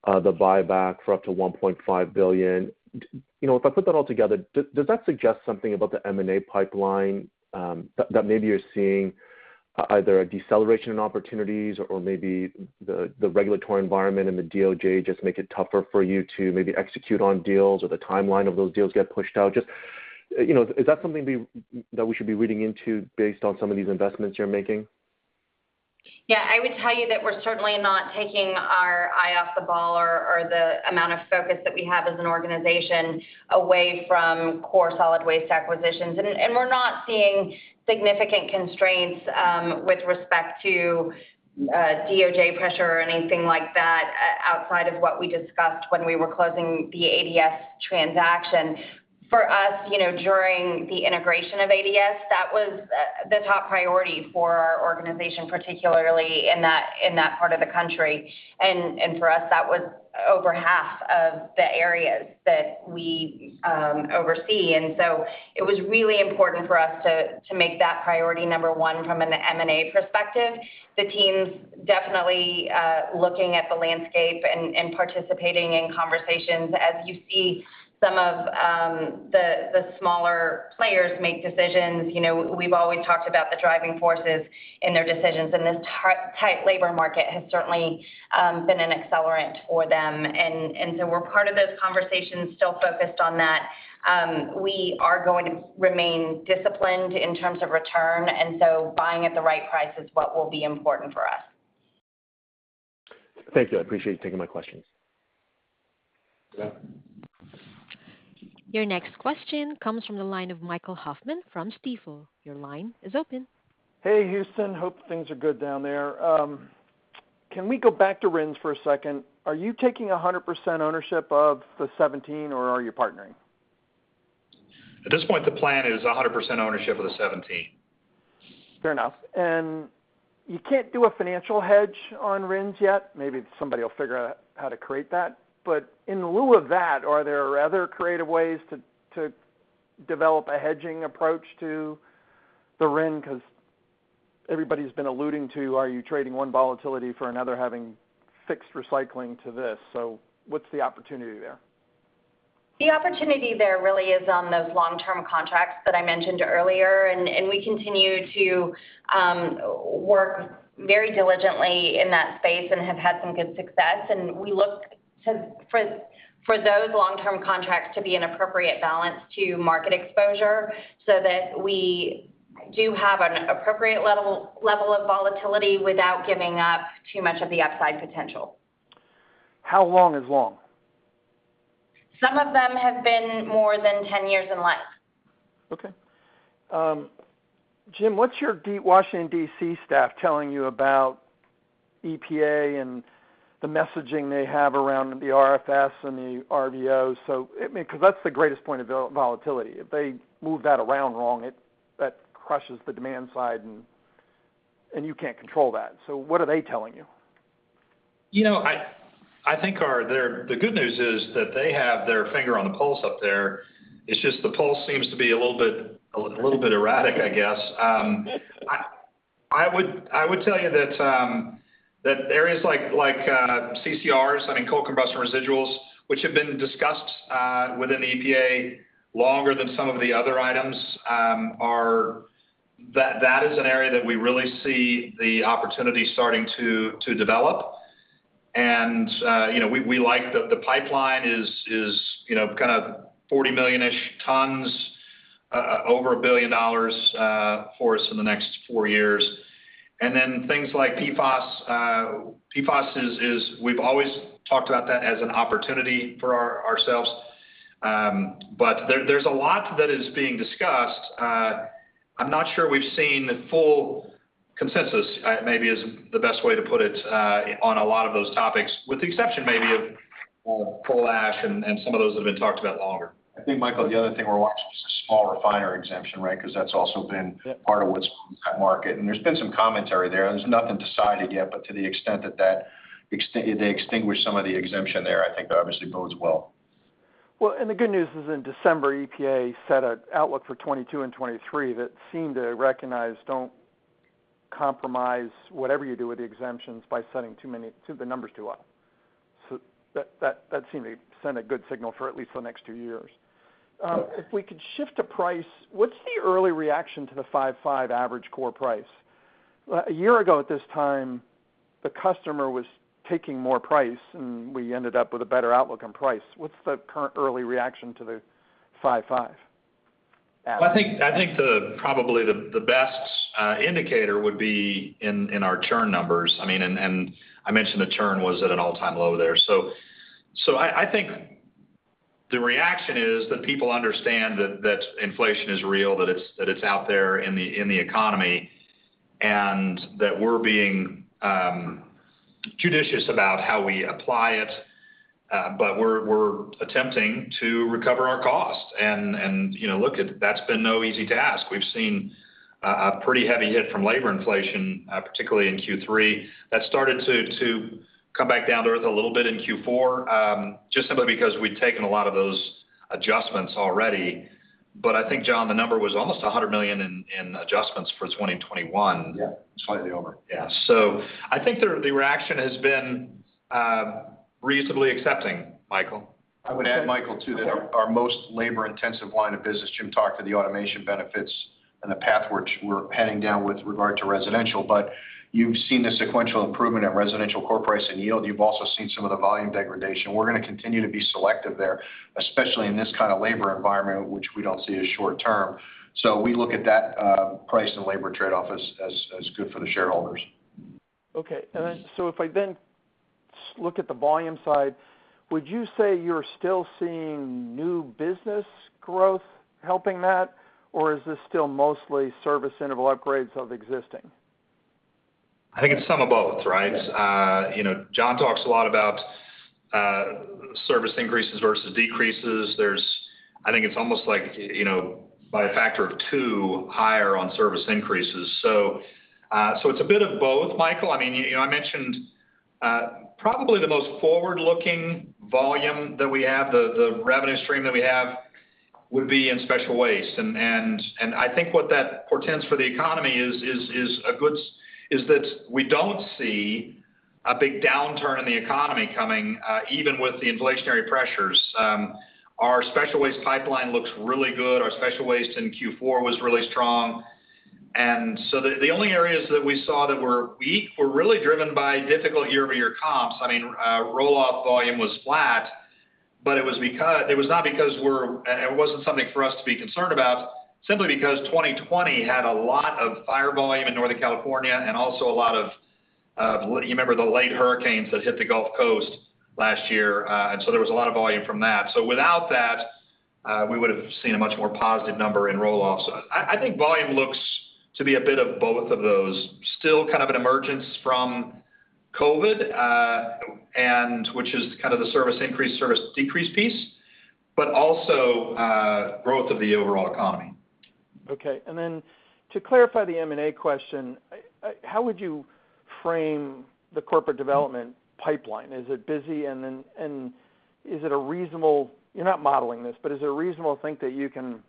the buyback for up to $1.5 billion. You know, if I put that all together, does that suggest something about the M&A pipeline, that maybe you're seeing either a deceleration in opportunities or maybe the regulatory environment and the DOJ just make it tougher for you to maybe execute on deals or the timeline of those deals get pushed out? Just, you know, is that something that we should be reading into based on some of these investments you're making? Yeah. I would tell you that we're certainly not taking our eye off the ball or the amount of focus that we have as an organization away from core solid waste acquisitions. We're not seeing significant constraints with respect to DOJ pressure or anything like that outside of what we discussed when we were closing the ADS transaction. For us, you know, during the integration of ADS, that was the top priority for our organization, particularly in that part of the country. For us, that was over half of the areas that we oversee. It was really important for us to make that priority number one from an M&A perspective. The team's definitely looking at the landscape and participating in conversations. As you see some of the smaller players make decisions, you know, we've always talked about the driving forces in their decisions, and this tight labor market has certainly been an accelerant for them. We're part of those conversations still focused on that. We are going to remain disciplined in terms of return, and so buying at the right price is what will be important for us. Thank you. I appreciate you taking my questions. Yeah. Your next question comes from the line of Michael Hoffman from Stifel. Your line is open. Hey, Houston. Hope things are good down there. Can we go back to RINs for a second? Are you taking 100% ownership of the 17, or are you partnering? At this point, the plan is 100% ownership of the 17. Fair enough. You can't do a financial hedge on RINs yet. Maybe somebody will figure out how to create that. In lieu of that, are there other creative ways to develop a hedging approach to the RIN? 'Cause everybody's been alluding to, are you trading one volatility for another, having fixed recycling to this? What's the opportunity there? The opportunity there really is on those long-term contracts that I mentioned earlier, and we continue to work very diligently in that space and have had some good success. We look to those long-term contracts to be an appropriate balance to market exposure so that we do have an appropriate level of volatility without giving up too much of the upside potential. How long is long? Some of them have been more than 10 years and less. Okay, Jim, what's your Washington, D.C. staff telling you about EPA and the messaging they have around the RFS and the RVO? I mean, 'cause that's the greatest point of volatility. If they move that around wrong, it that crushes the demand side and you can't control that. What are they telling you? You know, I think the good news is that they have their finger on the pulse up there. It's just the pulse seems to be a little bit erratic, I guess. I would tell you that areas like CCRs, I mean, Coal Combustion Residuals, which have been discussed within the EPA longer than some of the other items, are. That is an area that we really see the opportunity starting to develop. You know, we like the pipeline is, you know, kind of 40 million-ish tons, over $1 billion, for us in the next four years. Then things like PFAS. PFAS is we've always talked about that as an opportunity for ourselves. There's a lot that is being discussed. I'm not sure we've seen full consensus, maybe is the best way to put it, on a lot of those topics, with the exception maybe of coal ash and some of those that have been talked about longer. I think, Michael, the other thing we're watching is the small refiner exemption, right? 'Cause that's also been Yeah part of what's in that market. There's been some commentary there. There's nothing decided yet, but to the extent that they extinguish some of the exemption there, I think that obviously bodes well. Well, the good news is in December, EPA set an outlook for 2022 and 2023 that seemed to recognize don't compromise whatever you do with the exemptions by setting too many, the numbers too high. That seemed to send a good signal for at least the next two years. If we could shift to price, what's the early reaction to the 5.5% average core price? A year ago at this time, the customer was taking more price, and we ended up with a better outlook on price. What's the current early reaction to the 5.5%, I think probably the best indicator would be in our churn numbers. I mean, I mentioned the churn was at an all-time low there. I think the reaction is that people understand that inflation is real, that it's out there in the economy, and that we're being judicious about how we apply it, but we're attempting to recover our cost. You know, look, that's been no easy task. We've seen a pretty heavy hit from labor inflation, particularly in Q3. That started to come back down to earth a little bit in Q4, just simply because we'd taken a lot of those adjustments already. I think, John, the number was almost $100 million in adjustments for 2021. Yeah. Slightly over. Yeah. I think the reaction has been reasonably accepting, Michael. I would add, Michael, too, that our most labor-intensive line of business. Jim talked about the automation benefits and the path which we're heading down with regard to residential. You've seen a sequential improvement in residential core price and yield. You've also seen some of the volume degradation. We're gonna continue to be selective there, especially in this kind of labor environment, which we don't see as short term. We look at that, uh, price and labor trade-off as good for the shareholders. Okay. If I then look at the volume side, would you say you're still seeing new business growth helping that, or is this still mostly service interval upgrades of existing? I think it's some of both, right? Yeah. You know, John talks a lot about service increases versus decreases. I think it's almost like, you know, by a factor of 2 higher on service increases. It's a bit of both, Michael. I mean, you know, I mentioned probably the most forward-looking volume that we have, the revenue stream that we have would be in special waste. I think what that portends for the economy is a good sign that we don't see a big downturn in the economy coming, even with the inflationary pressures. Our special waste pipeline looks really good. Our special waste in Q4 was really strong. The only areas that we saw that were weak were really driven by difficult year-over-year comps. I mean, roll-off volume was flat, but it was not something for us to be concerned about, simply because 2020 had a lot of fire volume in Northern California and also a lot of, you remember the late hurricanes that hit the Gulf Coast last year. There was a lot of volume from that. Without that, we would have seen a much more positive number in roll-offs. I think volume looks to be a bit of both of those, still kind of an emergence from COVID, and which is kind of the service increase, service decrease piece, but also, growth of the overall economy. Okay. To clarify the M&A question, how would you frame the corporate development pipeline? Is it busy? Is it a reasonable thing that you can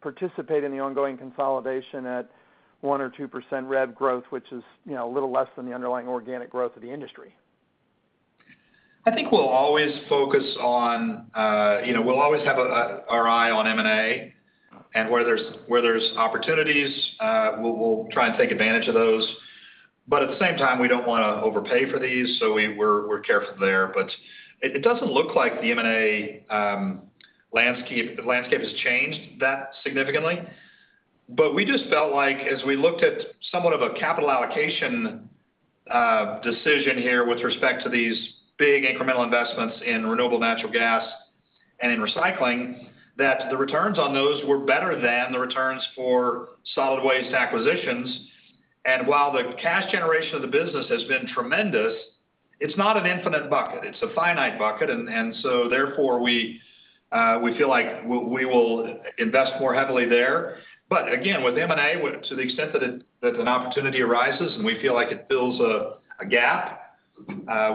participate in the ongoing consolidation at 1%-2% rev growth, which is, you know, a little less than the underlying organic growth of the industry? I think we'll always focus on, you know, we'll always have our eye on M&A. Where there's opportunities, we'll try and take advantage of those. At the same time, we don't wanna overpay for these, so we're careful there. It doesn't look like the M&A landscape has changed that significantly. We just felt like as we looked at somewhat of a capital allocation decision here with respect to these big incremental investments in renewable natural gas and in recycling, that the returns on those were better than the returns for solid waste acquisitions. While the cash generation of the business has been tremendous, it's not an infinite bucket. It's a finite bucket. So therefore, we feel like we will invest more heavily there. Again, with M&A, to the extent that an opportunity arises and we feel like it fills a gap,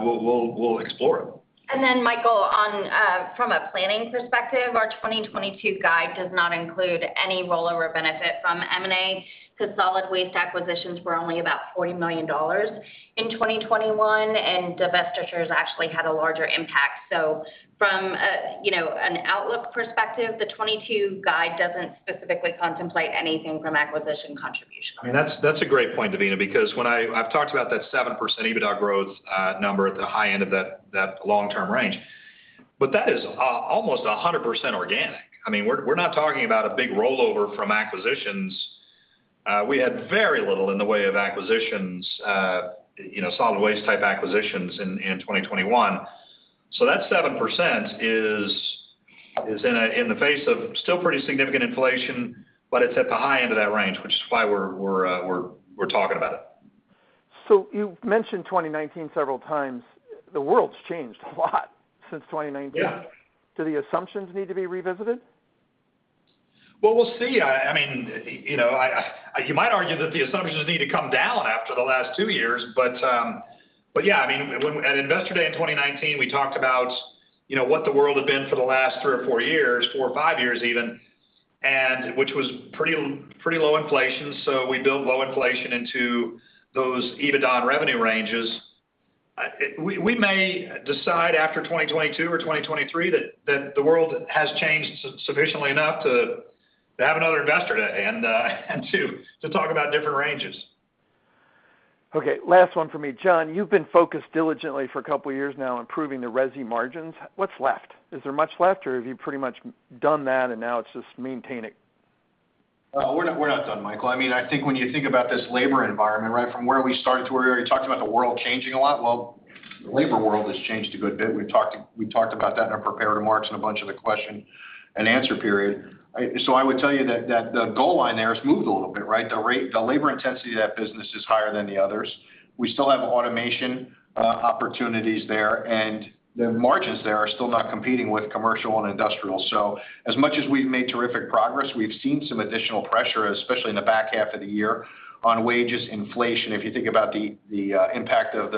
we'll explore it. Michael, on from a planning perspective, our 2022 guide does not include any rollover benefit from M&A, 'cause solid waste acquisitions were only about $40 million in 2021, and divestitures actually had a larger impact. From a, you know, an outlook perspective, the 2022 guide doesn't specifically contemplate anything from acquisition contribution. I mean, that's a great point, Devina, because when I... I've talked about that 7% EBITDA growth number at the high end of that long-term range. But that is almost 100% organic. I mean, we're not talking about a big rollover from acquisitions. We had very little in the way of acquisitions, you know, solid waste type acquisitions in 2021. So that 7% is in the face of still pretty significant inflation, but it's at the high end of that range, which is why we're talking about it. You've mentioned 2019 several times. The world's changed a lot since 2019. Yeah. Do the assumptions need to be revisited? Well, we'll see. I mean, you know, you might argue that the assumptions need to come down after the last two years. Yeah, I mean, when at Investor Day in 2019, we talked about what the world had been for the last three or four years, four or five years even, which was pretty low inflation, so we built low inflation into those EBITDA and revenue ranges. We may decide after 2022 or 2023 that the world has changed sufficiently enough to have another Investor Day and to talk about different ranges. Okay, last one for me. John, you've been focused diligently for a couple years now on improving the resi margins. What's left? Is there much left or have you pretty much done that and now it's just maintaining? We're not done, Michael. I mean, I think when you think about this labor environment, right from where we started to where we already talked about the world changing a lot. Well, the labor world has changed a good bit. We've talked about that in our prepared remarks and a bunch of the question and answer period. I would tell you that the goal line there has moved a little bit, right? The labor intensity of that business is higher than the others. We still have automation opportunities there, and the margins there are still not competing with commercial and industrial. As much as we've made terrific progress, we've seen some additional pressure, especially in the back half of the year on wages, inflation. If you think about the impact of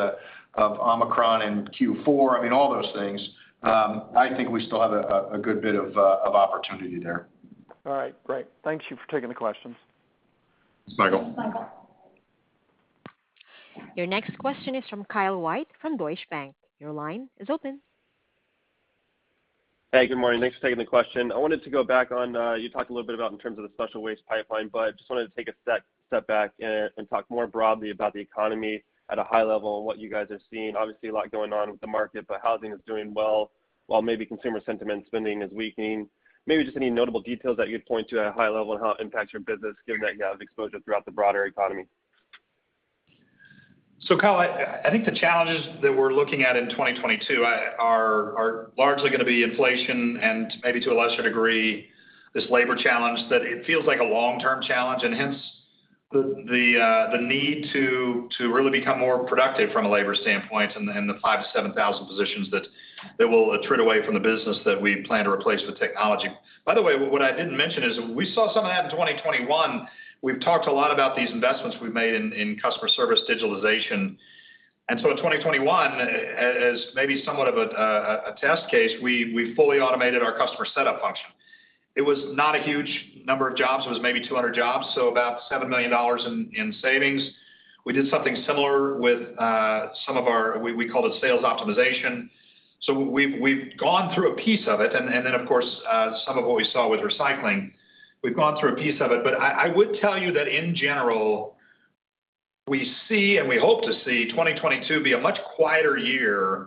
Omicron in Q4, I mean, all those things, I think we still have a good bit of opportunity there. All right. Great. Thank you for taking the questions. Thanks, Michael. Your next question is from Kyle White from Deutsche Bank. Your line is open. Hey, good morning. Thanks for taking the question. I wanted to go back on, you talked a little bit about in terms of the special waste pipeline, but just wanted to take a step back and talk more broadly about the economy at a high level and what you guys are seeing. Obviously, a lot going on with the market, but housing is doing well, while maybe consumer sentiment spending is weakening. Maybe just any notable details that you'd point to at a high level and how it impacts your business given that you have exposure throughout the broader economy. Kyle, I think the challenges that we're looking at in 2022 are largely gonna be inflation and maybe to a lesser degree, this labor challenge, that it feels like a long-term challenge and hence the need to really become more productive from a labor standpoint and the 5,000-7,000 positions that will attrit away from the business that we plan to replace with technology. By the way, what I didn't mention is we saw some of that in 2021. We've talked a lot about these investments we've made in customer service digitalization. In 2021, as maybe somewhat of a test case, we fully automated our customer setup function. It was not a huge number of jobs. It was maybe 200 jobs, so about $7 million in savings. We did something similar with some of our, we call it sales optimization. We've gone through a piece of it. Of course, some of what we saw with recycling, we've gone through a piece of it. I would tell you that in general, we see and we hope to see 2022 be a much quieter year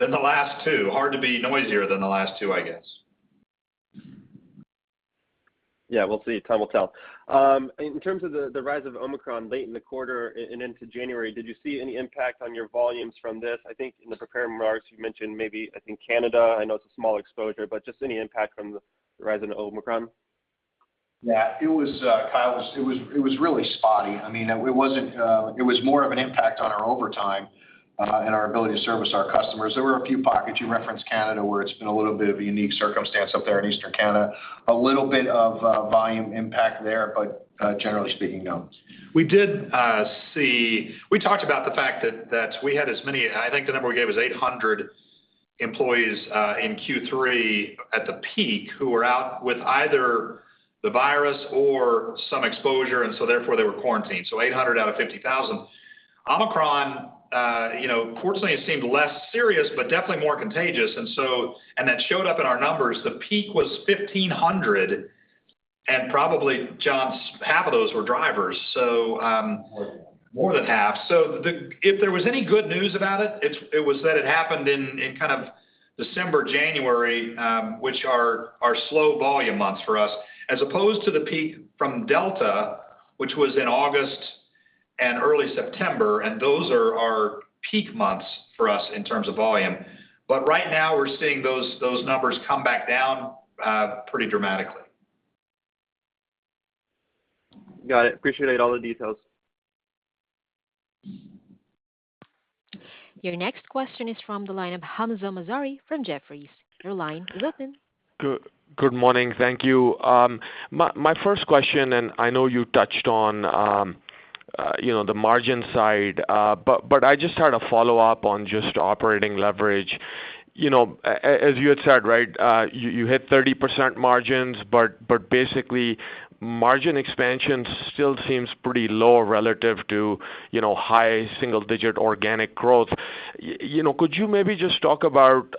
than the last two. Hard to be noisier than the last two, I guess. Yeah, we'll see. Time will tell. In terms of the rise of Omicron late in the quarter and into January, did you see any impact on your volumes from this? I think in the prepared remarks you mentioned maybe, I think Canada, I know it's a small exposure, but just any impact from the rise in Omicron. Yeah. It was, Kyle, really spotty. I mean, it wasn't. It was more of an impact on our overtime and our ability to service our customers. There were a few pockets. You referenced Canada, where it's been a little bit of a unique circumstance up there in Eastern Canada. A little bit of volume impact there, but generally speaking, no. We did see. We talked about the fact that we had as many, I think the number we gave was 800 employees in Q3 at the peak who were out with either the virus or some exposure, and so therefore they were quarantined. So 800 out of 50,000. Omicron, you know, fortunately it seemed less serious, but definitely more contagious, and that showed up in our numbers. The peak was 1,500 and probably, John, half of those were drivers. More than that. More than half. If there was any good news about it was that it happened in kind of December, January, which are our slow volume months for us, as opposed to the peak from Delta, which was in August and early September, and those are our peak months for us in terms of volume. Right now, we're seeing those numbers come back down pretty dramatically. Got it. Appreciate all the details. Your next question is from the line of Hamzah Mazari from Jefferies. Your line is open. Good morning. Thank you. My first question, and I know you touched on the margin side, but I just had a follow-up on just operating leverage. You know, as you had said, right, you hit 30% margins, but basically margin expansion still seems pretty low relative to, you know, high single-digit organic growth. You know, could you maybe just talk about,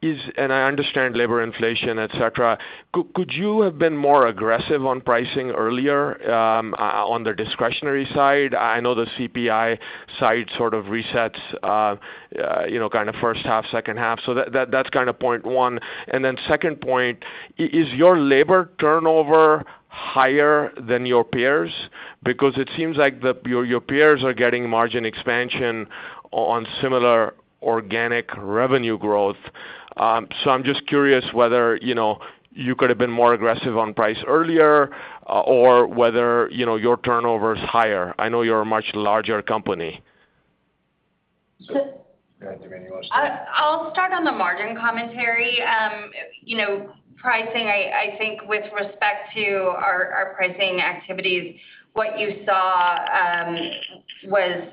and I understand labor inflation, et cetera. Could you have been more aggressive on pricing earlier, on the discretionary side? I know the CPI side sort of resets, you know, kind of first half, second half. So that's kind of point one. Then second point, is your labor turnover higher than your peers? Because it seems like your peers are getting margin expansion on similar organic revenue growth. I'm just curious whether, you know, you could have been more aggressive on price earlier or whether, you know, your turnover is higher. I know you're a much larger company. Go ahead, Jamie. You want to start? I'll start on the margin commentary. You know, pricing, I think with respect to our pricing activities, what you saw was-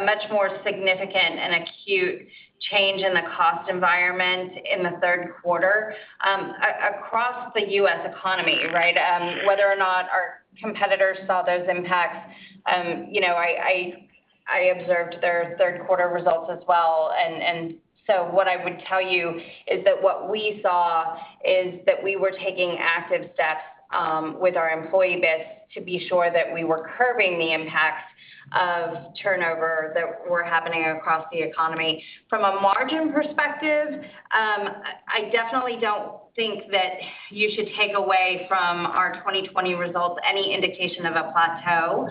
A much more significant and acute change in the cost environment in the third quarter across the U.S. economy, right? Whether or not our competitors saw those impacts, you know, I observed their third quarter results as well. What I would tell you is that what we saw is that we were taking active steps with our employee base to be sure that we were curbing the impacts of turnover that were happening across the economy. From a margin perspective, I definitely don't think that you should take away from our 2020 results any indication of a plateau.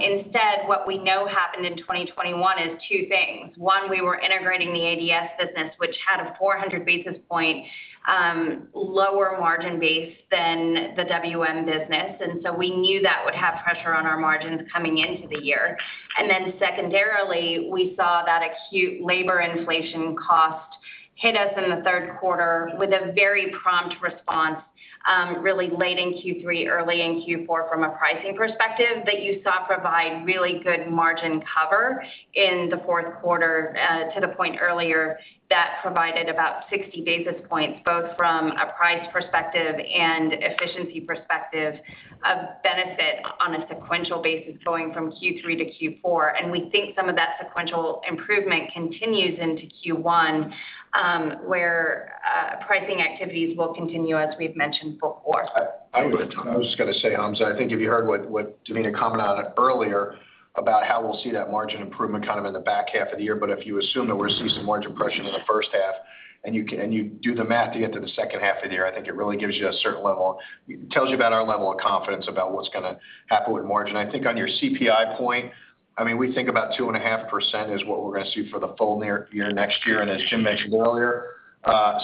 Instead, what we know happened in 2021 is two things. One, we were integrating the ADS business, which had a 400 basis point lower margin base than the WM business. We knew that would have pressure on our margins coming into the year. Secondarily, we saw that acute labor inflation cost hit us in the third quarter with a very prompt response, really late in Q3, early in Q4 from a pricing perspective that you saw provide really good margin cover in the fourth quarter, to the point earlier that provided about 60 basis points, both from a price perspective and efficiency perspective of benefit on a sequential basis going from Q3 to Q4. We think some of that sequential improvement continues into Q1, where pricing activities will continue as we've mentioned before. I was just gonna say, Hamzah, I think if you heard what Devina commented on earlier about how we'll see that margin improvement kind of in the back half of the year, but if you assume that we're seeing some margin pressure in the first half and you do the math to get to the second half of the year, I think it really gives you a certain level that tells you about our level of confidence about what's gonna happen with margin. I think on your CPI point, I mean, we think about 2.5% is what we're gonna see for the full-year next year. As Jim mentioned earlier,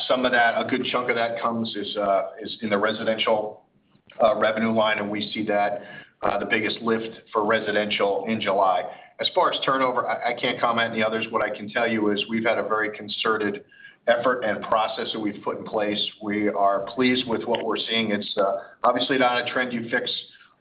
some of that, a good chunk of that comes, is in the residential revenue line, and we see that the biggest lift for residential in July. As far as turnover, I can't comment on the others. What I can tell you is we've had a very concerted effort and process that we've put in place. We are pleased with what we're seeing. It's obviously not a trend you fix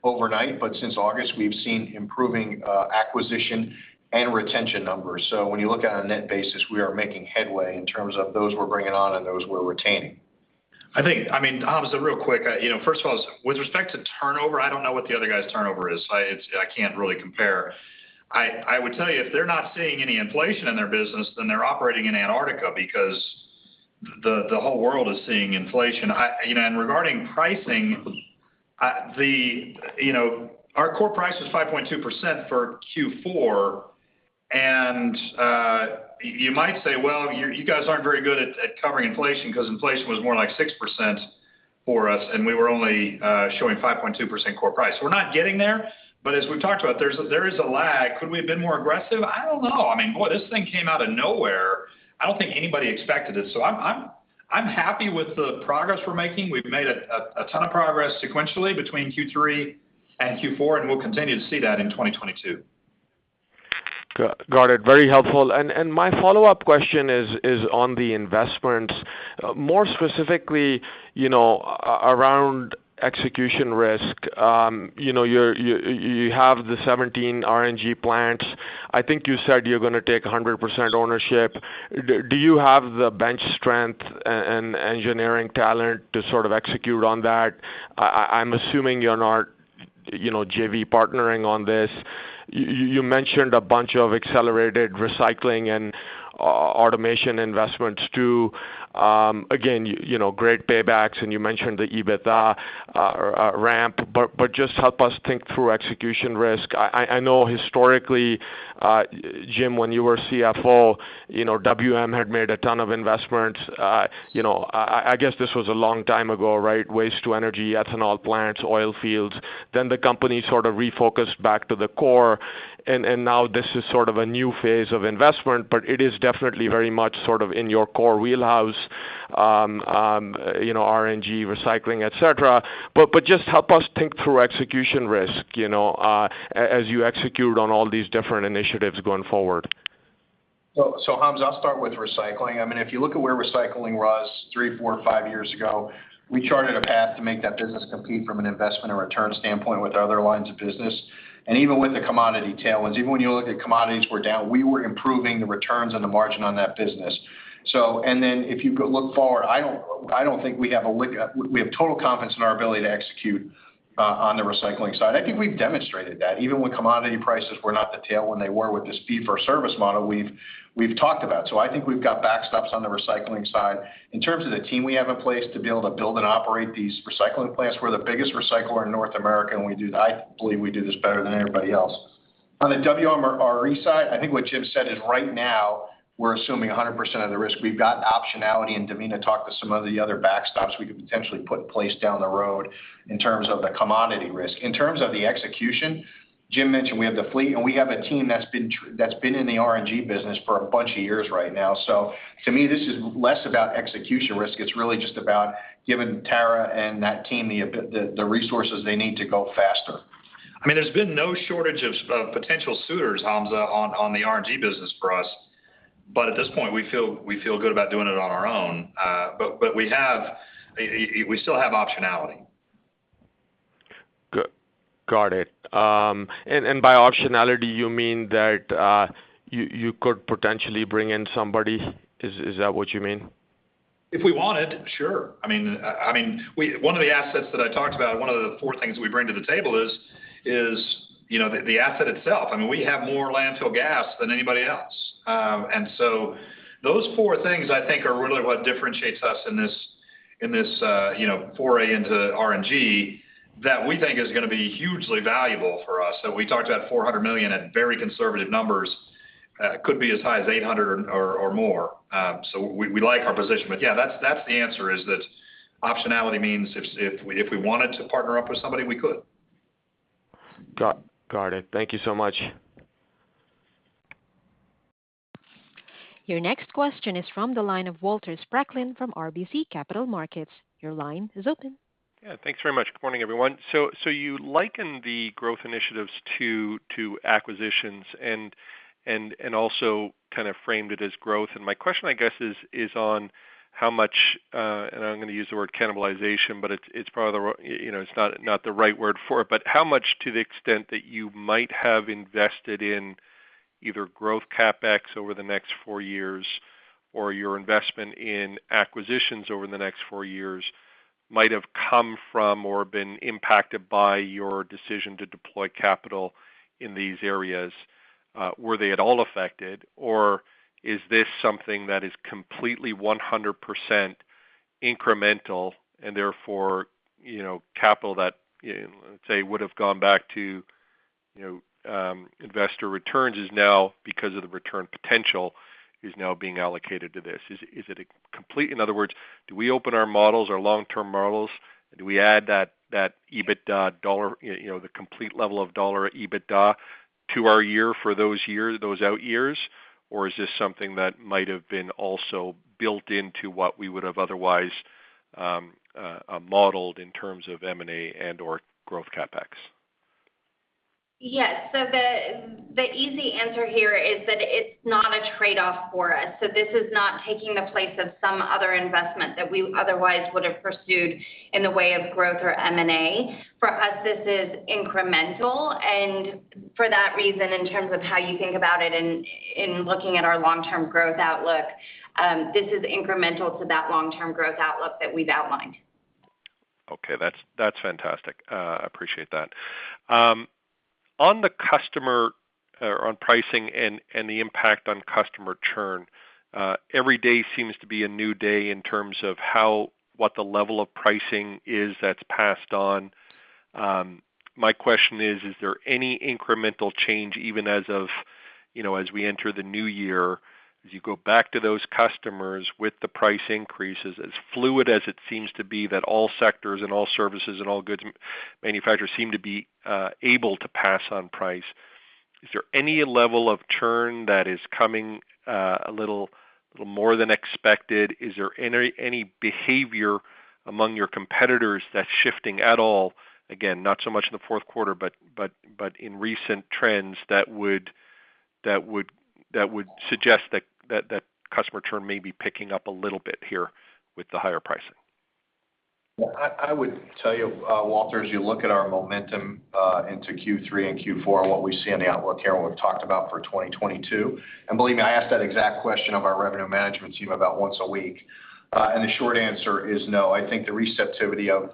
overnight, but since August, we've seen improving acquisition and retention numbers. When you look at it on a net basis, we are making headway in terms of those we're bringing on and those we're retaining. I mean, Hamzah, real quick, you know, first of all, with respect to turnover, I don't know what the other guy's turnover is. I can't really compare. I would tell you, if they're not seeing any inflation in their business, then they're operating in Antarctica because the whole world is seeing inflation. You know, regarding pricing, you know, our core price is 5.2% for Q4. You might say, "Well, you guys aren't very good at covering inflation," 'cause inflation was more like 6% for us, and we were only showing 5.2% core price. We're not getting there, but as we've talked about, there is a lag. Could we have been more aggressive? I don't know. I mean, boy, this thing came out of nowhere. I don't think anybody expected this. I'm happy with the progress we're making. We've made a ton of progress sequentially between Q3 and Q4, and we'll continue to see that in 2022. Got it. Very helpful. My follow-up question is on the investment. More specifically, you know, around execution risk. You know, you have the 17 RNG plants. I think you said you're gonna take 100% ownership. Do you have the bench strength and engineering talent to sort of execute on that? I'm assuming you're not, you know, JV partnering on this. You mentioned a bunch of accelerated recycling and automation investments too. Again, you know, great paybacks, and you mentioned the EBITDA ramp, but just help us think through execution risk. I know historically, Jim, when you were CFO, you know, WM had made a ton of investments. You know, I guess this was a long time ago, right? Waste to energy, ethanol plants, oil fields. The company sort of refocused back to the core, and now this is sort of a new phase of investment, but it is definitely very much sort of in your core wheelhouse, you know, RNG, recycling, et cetera. But just help us think through execution risk, you know, as you execute on all these different initiatives going forward. Hamzah, I'll start with recycling. I mean, if you look at where recycling was three, four, five years ago, we charted a path to make that business compete from an investment and return standpoint with our other lines of business. Even with the commodity tailwinds, even when commodities were down, we were improving the returns and the margin on that business. If you go look forward, we have total confidence in our ability to execute on the recycling side. I think we've demonstrated that. Even when commodity prices were not the tailwind they were with this fee-for-service model we've talked about. I think we've got backstops on the recycling side. In terms of the team we have in place to be able to build and operate these recycling plants, we're the biggest recycler in North America, and I believe we do this better than anybody else. On the WM or RE side, I think what Jim said is right now we're assuming 100% of the risk. We've got optionality, and Devina talked to some of the other backstops we could potentially put in place down the road in terms of the commodity risk. In terms of the execution, Jim mentioned we have the fleet, and we have a team that's been in the RNG business for a bunch of years right now. To me, this is less about execution risk. It's really just about giving Tara and that team the resources they need to go faster. I mean, there's been no shortage of potential suitors, Hamzah, on the RNG business for us. At this point, we feel good about doing it on our own. We still have optionality Good. Got it. By optionality you mean that you could potentially bring in somebody? Is that what you mean? If we wanted, sure. I mean, one of the assets that I talked about, one of the four things we bring to the table is, you know, the asset itself. I mean, we have more landfill gas than anybody else. Those four things, I think, are really what differentiates us in this, you know, foray into RNG that we think is gonna be hugely valuable for us. We talked about $400 million at very conservative numbers. Could be as high as $800 or more. We like our position. Yeah, that's the answer, is that optionality means if we wanted to partner up with somebody, we could. Got it. Thank you so much. Your next question is from the line of Walter Spracklin from RBC Capital Markets. Your line is open. Yeah. Thanks very much. Good morning, everyone. You liken the growth initiatives to acquisitions and also kind of framed it as growth. My question, I guess, is on how much, and I'm gonna use the word cannibalization, but it's probably the wrong word for it, you know, it's not the right word for it, but how much to the extent that you might have invested in either growth CapEx over the next four years or your investment in acquisitions over the next four years might have come from or been impacted by your decision to deploy capital in these areas? Were they at all affected, or is this something that is completely 100% incremental and therefore, you know, capital that, let's say, would have gone back to, you know, investor returns is now, because of the return potential, is now being allocated to this? In other words, do we open our models, our long-term models, do we add that EBITDA dollar, you know, the complete level of dollar EBITDA to our model for those out years? Or is this something that might have been also built into what we would have otherwise modeled in terms of M&A and/or growth CapEx? Yes. The easy answer here is that it's not a trade-off for us. This is not taking the place of some other investment that we otherwise would have pursued in the way of growth or M&A. For us, this is incremental. For that reason, in terms of how you think about it in looking at our long-term growth outlook, this is incremental to that long-term growth outlook that we've outlined. Okay. That's fantastic. Appreciate that. On the customer or on pricing and the impact on customer churn, every day seems to be a new day in terms of what the level of pricing is that's passed on. My question is there any incremental change, even as of, you know, as we enter the new year, as you go back to those customers with the price increases, as fluid as it seems to be that all sectors and all services and all goods manufacturers seem to be able to pass on price, is there any level of churn that is coming a little more than expected? Is there any behavior among your competitors that's shifting at all? Again, not so much in the fourth quarter, but in recent trends that would suggest that customer churn may be picking up a little bit here with the higher pricing. Well, I would tell you, Walter, as you look at our momentum into Q3 and Q4 and what we see on the outlook here, what we've talked about for 2022, and believe me, I ask that exact question of our revenue management team about once a week. The short answer is no. I think the receptivity of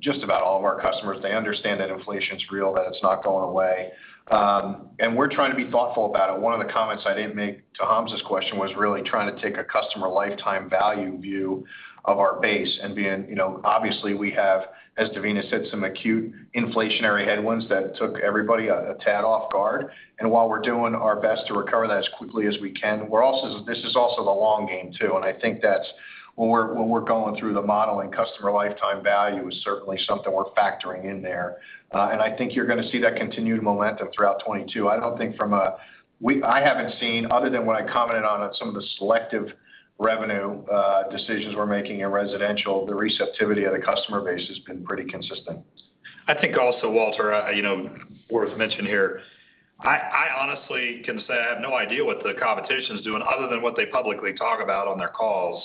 just about all of our customers, they understand that inflation's real, that it's not going away. We're trying to be thoughtful about it. One of the comments I didn't make to Hamzah's question was really trying to take a customer lifetime value view of our base and being, you know, obviously we have, as Devina said, some acute inflationary headwinds that took everybody a tad off guard. While we're doing our best to recover that as quickly as we can, we're also, this is also the long game too. I think that's when we're going through the modeling. Customer lifetime value is certainly something we're factoring in there. I think you're gonna see that continued momentum throughout 2022. I don't think from a. I haven't seen, other than what I commented on at some of the selective revenue decisions we're making in residential, the receptivity of the customer base has been pretty consistent. I think also, Walter, you know, worth mention here, I honestly can say I have no idea what the competition is doing other than what they publicly talk about on their calls.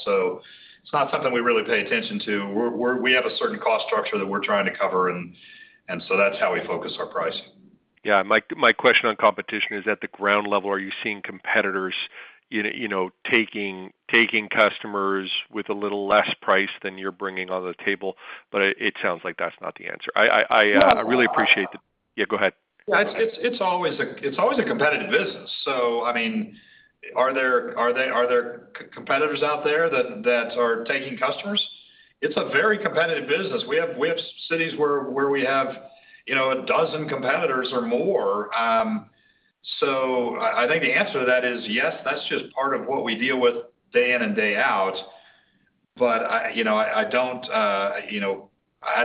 It's not something we really pay attention to. We have a certain cost structure that we're trying to cover and so that's how we focus our pricing. Yeah. My question on competition is at the ground level, are you seeing competitors, you know, taking customers with a little less price than you're bringing on the table? It sounds like that's not the answer. No. I really appreciate the. Yeah, go ahead. It's always a competitive business. I mean, are there competitors out there that are taking customers? It's a very competitive business. We have cities where we have, you know, a dozen competitors or more. I think the answer to that is yes, that's just part of what we deal with day in and day out. I, you know,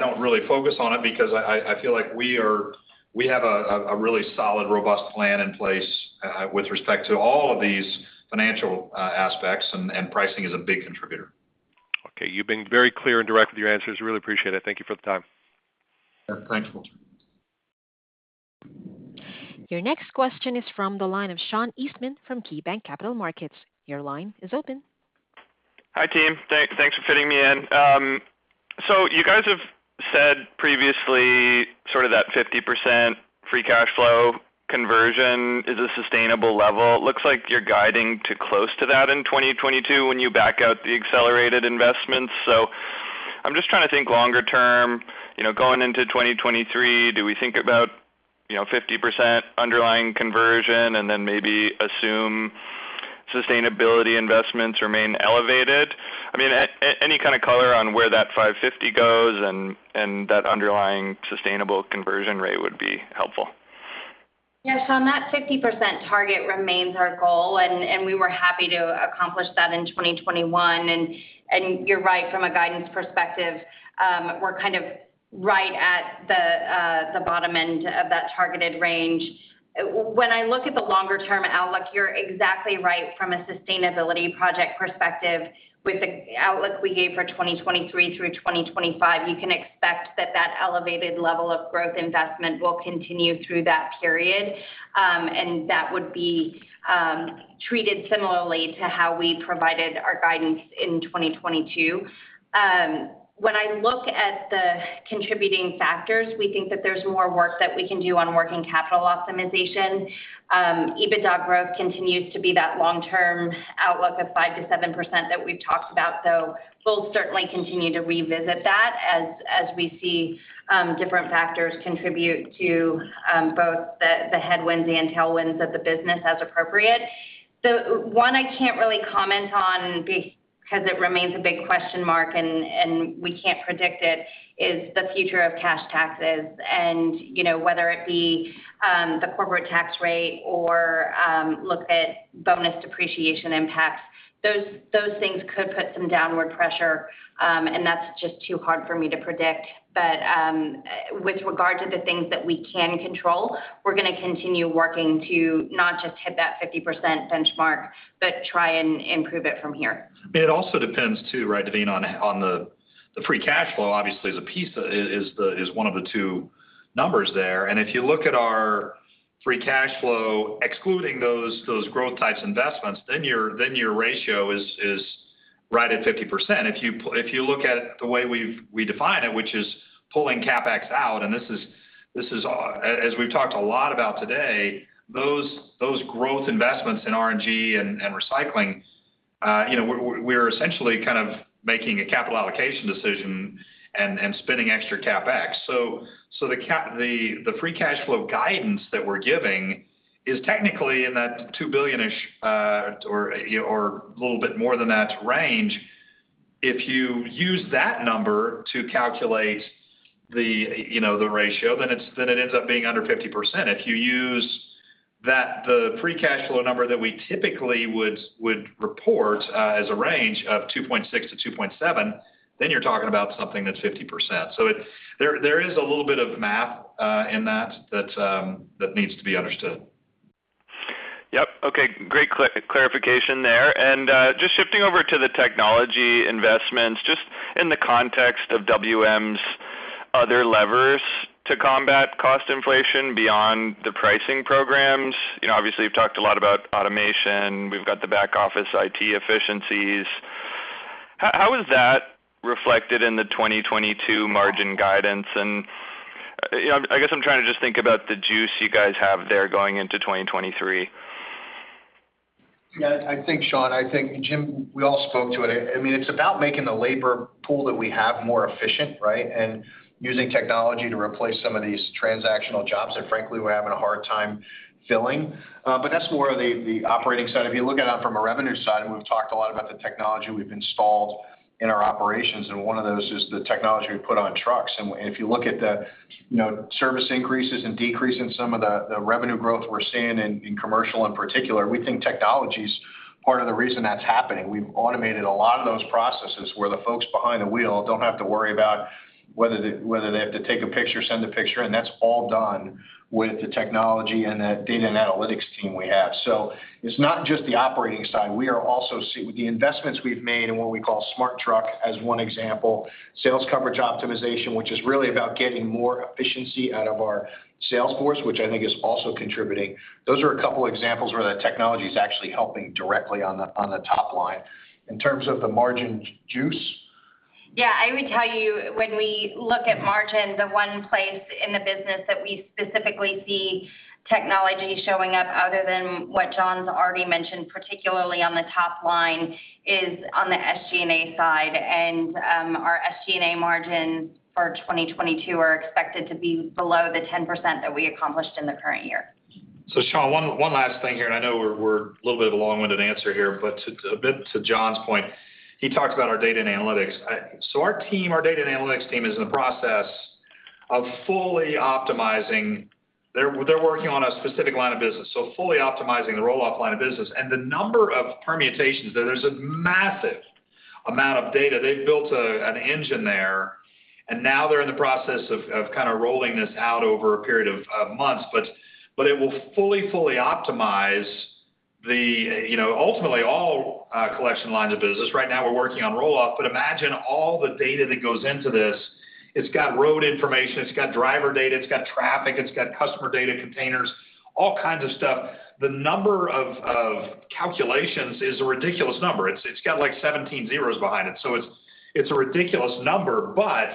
don't really focus on it because I feel like we have a really solid, robust plan in place with respect to all of these financial aspects, and pricing is a big contributor. Okay. You've been very clear and direct with your answers. Really appreciate it. Thank you for the time. Yeah. Thanks, Walter. Your next question is from the line of Sean Eastman from KeyBanc Capital Markets. Your line is open. Hi, team. Thanks for fitting me in. You guys have said previously sort of that 50% free cash flow conversion is a sustainable level. Looks like you're guiding to close to that in 2022 when you back out the accelerated investments. I'm just trying to think longer term, you know, going into 2023, do we think about, you know, 50% underlying conversion and then maybe assume sustainability investments remain elevated? I mean, any kind of color on where that 50 goes and that underlying sustainable conversion rate would be helpful. Yeah. On that 50% target remains our goal, and we were happy to accomplish that in 2021. You're right from a guidance perspective. We're kind of right at the bottom end of that targeted range. When I look at the longer term outlook, you're exactly right from a sustainability project perspective. With the outlook we gave for 2023 through 2025, you can expect that elevated level of growth investment will continue through that period. That would be treated similarly to how we provided our guidance in 2022. When I look at the contributing factors, we think that there's more work that we can do on working capital optimization. EBITDA growth continues to be that long-term outlook of 5%-7% that we've talked about, though we'll certainly continue to revisit that as we see different factors contribute to both the headwinds and tailwinds of the business as appropriate. One I can't really comment on because it remains a big question mark and we can't predict it, is the future of cash taxes. You know, whether it be the corporate tax rate or look at bonus depreciation impacts, those things could put some downward pressure and that's just too hard for me to predict. With regard to the things that we can control, we're gonna continue working to not just hit that 50% benchmark, but try and improve it from here. It also depends too, right, Devina, on the free cash flow obviously is one of the two numbers there. If you look at our free cash flow excluding those growth types investments, then your ratio is right at 50%. If you look at it the way we define it, which is pulling CapEx out, and this is, as we've talked a lot about today, those growth investments in RNG and recycling, you know, we're essentially kind of making a capital allocation decision and spending extra CapEx. The free cash flow guidance that we're giving is technically in that $2 billion-ish or, you know, a little bit more than that range. If you use that number to calculate the, you know, the ratio, then it ends up being under 50%. If you use that free cash flow number that we typically would report as a range of $2.6-2.7, then you're talking about something that's 50%. There is a little bit of math in that that needs to be understood. Yep. Okay. Great clarification there. Just shifting over to the technology investments, just in the context of WM's other levers to combat cost inflation beyond the pricing programs. You know, obviously, you've talked a lot about automation. We've got the back office IT efficiencies. How is that reflected in the 2022 margin guidance? You know, I guess I'm trying to just think about the juice you guys have there going into 2023. Yeah. I think, Sean, Jim, we all spoke to it. I mean, it's about making the labor pool that we have more efficient, right? Using technology to replace some of these transactional jobs that frankly we're having a hard time filling. That's more of the operating side. If you look at it from a revenue side, and we've talked a lot about the technology we've installed in our operations, and one of those is the technology we put on trucks. If you look at the, you know, service increases and decrease in some of the revenue growth we're seeing in commercial in particular, we think technology's part of the reason that's happening. We've automated a lot of those processes where the folks behind the wheel don't have to worry about whether they have to take a picture, send a picture, and that's all done with the technology and the data and analytics team we have. It's not just the operating side. We are also with the investments we've made in what we call Smart Truck as one example, sales coverage optimization, which is really about getting more efficiency out of our sales force, which I think is also contributing. Those are a couple examples where the technology is actually helping directly on the top line. In terms of the margin juice. Yeah. I would tell you, when we look at margin, the one place in the business that we specifically see technology showing up other than what John's already mentioned, particularly on the top line, is on the SG&A side. Our SG&A margin for 2022 are expected to be below the 10% that we accomplished in the current year. Sean, one last thing here, and I know we're a little bit of a long-winded answer here, but a bit to John's point, he talked about our data and analytics. Our team, our data and analytics team, is in the process of fully optimizing. They're working on a specific line of business, so fully optimizing the roll-off line of business. The number of permutations, there's a massive amount of data. They've built an engine there, and now they're in the process of kinda rolling this out over a period of months. But it will fully optimize the, you know, ultimately all collection lines of business. Right now we're working on roll-off, but imagine all the data that goes into this. It's got road information, it's got driver data, it's got traffic, it's got customer data, containers, all kinds of stuff. The number of calculations is a ridiculous number. It's got like 17 zeros behind it, so it's a ridiculous number. But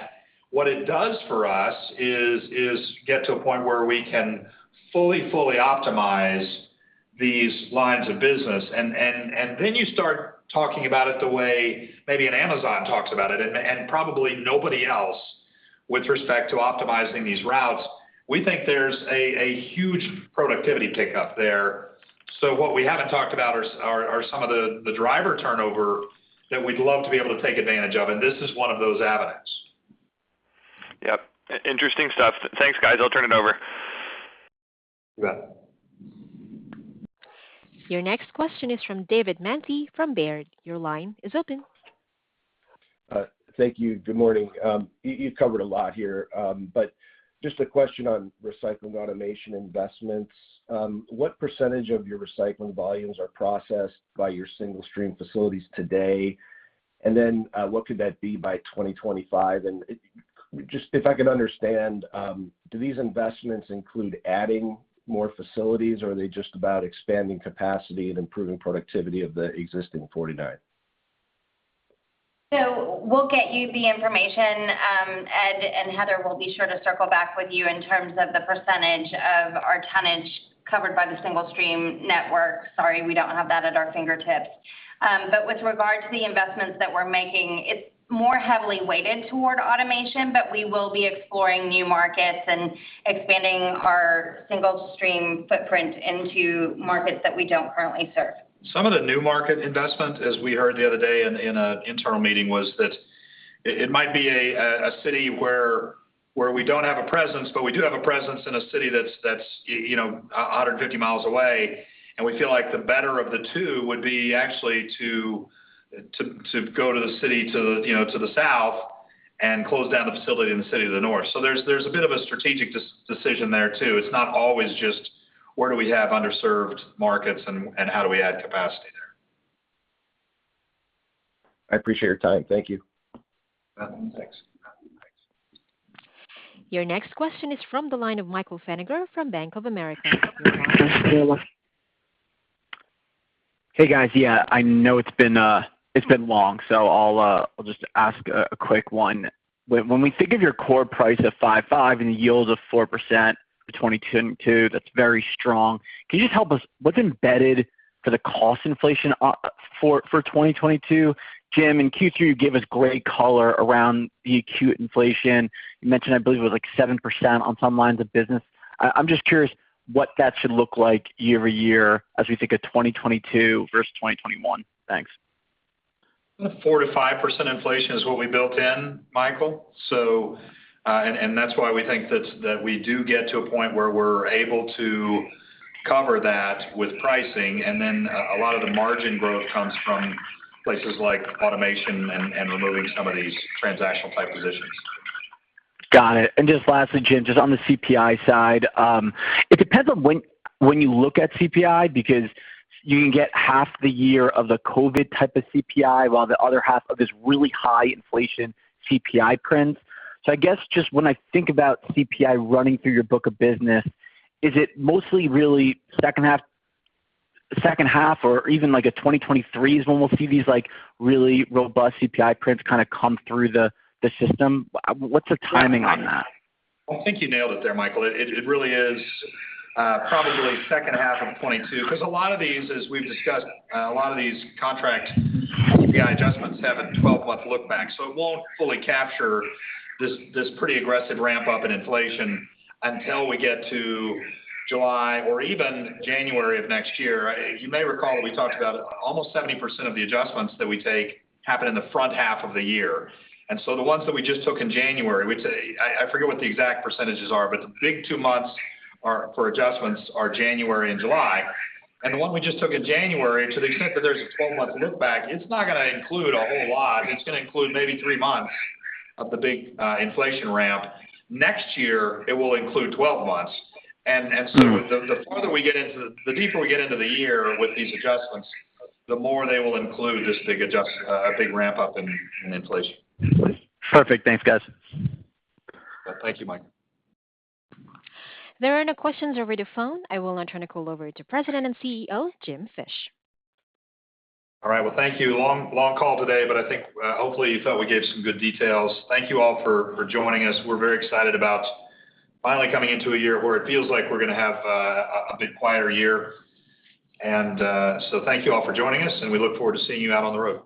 what it does for us is get to a point where we can fully optimize these lines of business and then you start talking about it the way maybe an Amazon talks about it and probably nobody else with respect to optimizing these routes. We think there's a huge productivity pickup there. What we haven't talked about are some of the driver turnover that we'd love to be able to take advantage of, and this is one of those avenues. Yep. Interesting stuff. Thanks, guys. I'll turn it over. You bet. Your next question is from David Manthey from Baird. Your line is open. Thank you. Good morning. You've covered a lot here, but just a question on recycling automation investments. What percentage of your recycling volumes are processed by your single stream facilities today? What could that be by 2025? Just if I could understand, do these investments include adding more facilities, or are they just about expanding capacity and improving productivity of the existing 49? We'll get you the information. Ed and Heather will be sure to circle back with you in terms of the percentage of our tonnage covered by the single stream network. Sorry, we don't have that at our fingertips. With regard to the investments that we're making, it's more heavily weighted toward automation, but we will be exploring new markets and expanding our single stream footprint into markets that we don't currently serve. Some of the new market investment, as we heard the other day in an internal meeting, was that it might be a city where we don't have a presence, but we do have a presence in a city that's, you know, 150 miles away. We feel like the better of the two would be actually to go to the city, you know, to the south and close down the facility in the city to the north. There's a bit of a strategic decision there too. It's not always just where do we have underserved markets and how do we add capacity there. I appreciate your time. Thank you. Thanks. Your next question is from the line of Michael Feniger from Bank of America. Hey, guys. Yeah, I know it's been long, so I'll just ask a quick one. When we think of your core price of 5.5 and the yield of 4% for 2022, that's very strong. Can you just help us, what's embedded for the cost inflation for 2022? Jim, in Q3, you gave us great color around the acute inflation. You mentioned, I believe, it was like 7% on some lines of business. I'm just curious what that should look like year-over-year as we think of 2022 versus 2021. Thanks. 4%-5% inflation is what we built in, Michael. That's why we think that we do get to a point where we're able to cover that with pricing. A lot of the margin growth comes from places like automation and removing some of these transactional type positions. Got it. Just lastly, Jim, just on the CPI side, it depends on when you look at CPI, because you can get half the year of the COVID type of CPI, while the other half of this really high inflation CPI prints. I guess just when I think about CPI running through your book of business, is it mostly really second half or even like a 2023s when we'll see these like really robust CPI prints kinda come through the system? What's the timing on that? I think you nailed it there, Michael. It really is probably second half of 2022, because a lot of these, as we've discussed, contract CPI adjustments have a 12-month look back. It won't fully capture this pretty aggressive ramp up in inflation until we get to July or even January of next year. You may recall we talked about almost 70% of the adjustments that we take happen in the front half of the year. The ones that we just took in January, which I forget what the exact percentages are, but the big two months for adjustments are January and July. The one we just took in January, to the extent that there's a 12-month look back, it's not gonna include a whole lot. It's gonna include maybe three months of the big inflation ramp. Next year, it will include 12 months. The deeper we get into the year with these adjustments, the more they will include a big ramp up in inflation. Perfect. Thanks, guys. Thank you, Michael. There are no questions over the phone. I will now turn the call over to President and CEO, Jim Fish. All right. Well, thank you. Long call today, but I think hopefully you felt we gave some good details. Thank you all for joining us. We're very excited about finally coming into a year where it feels like we're gonna have a bit quieter year. Thank you all for joining us, and we look forward to seeing you out on the road.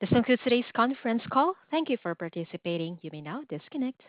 This concludes today's conference call. Thank you for participating. You may now disconnect.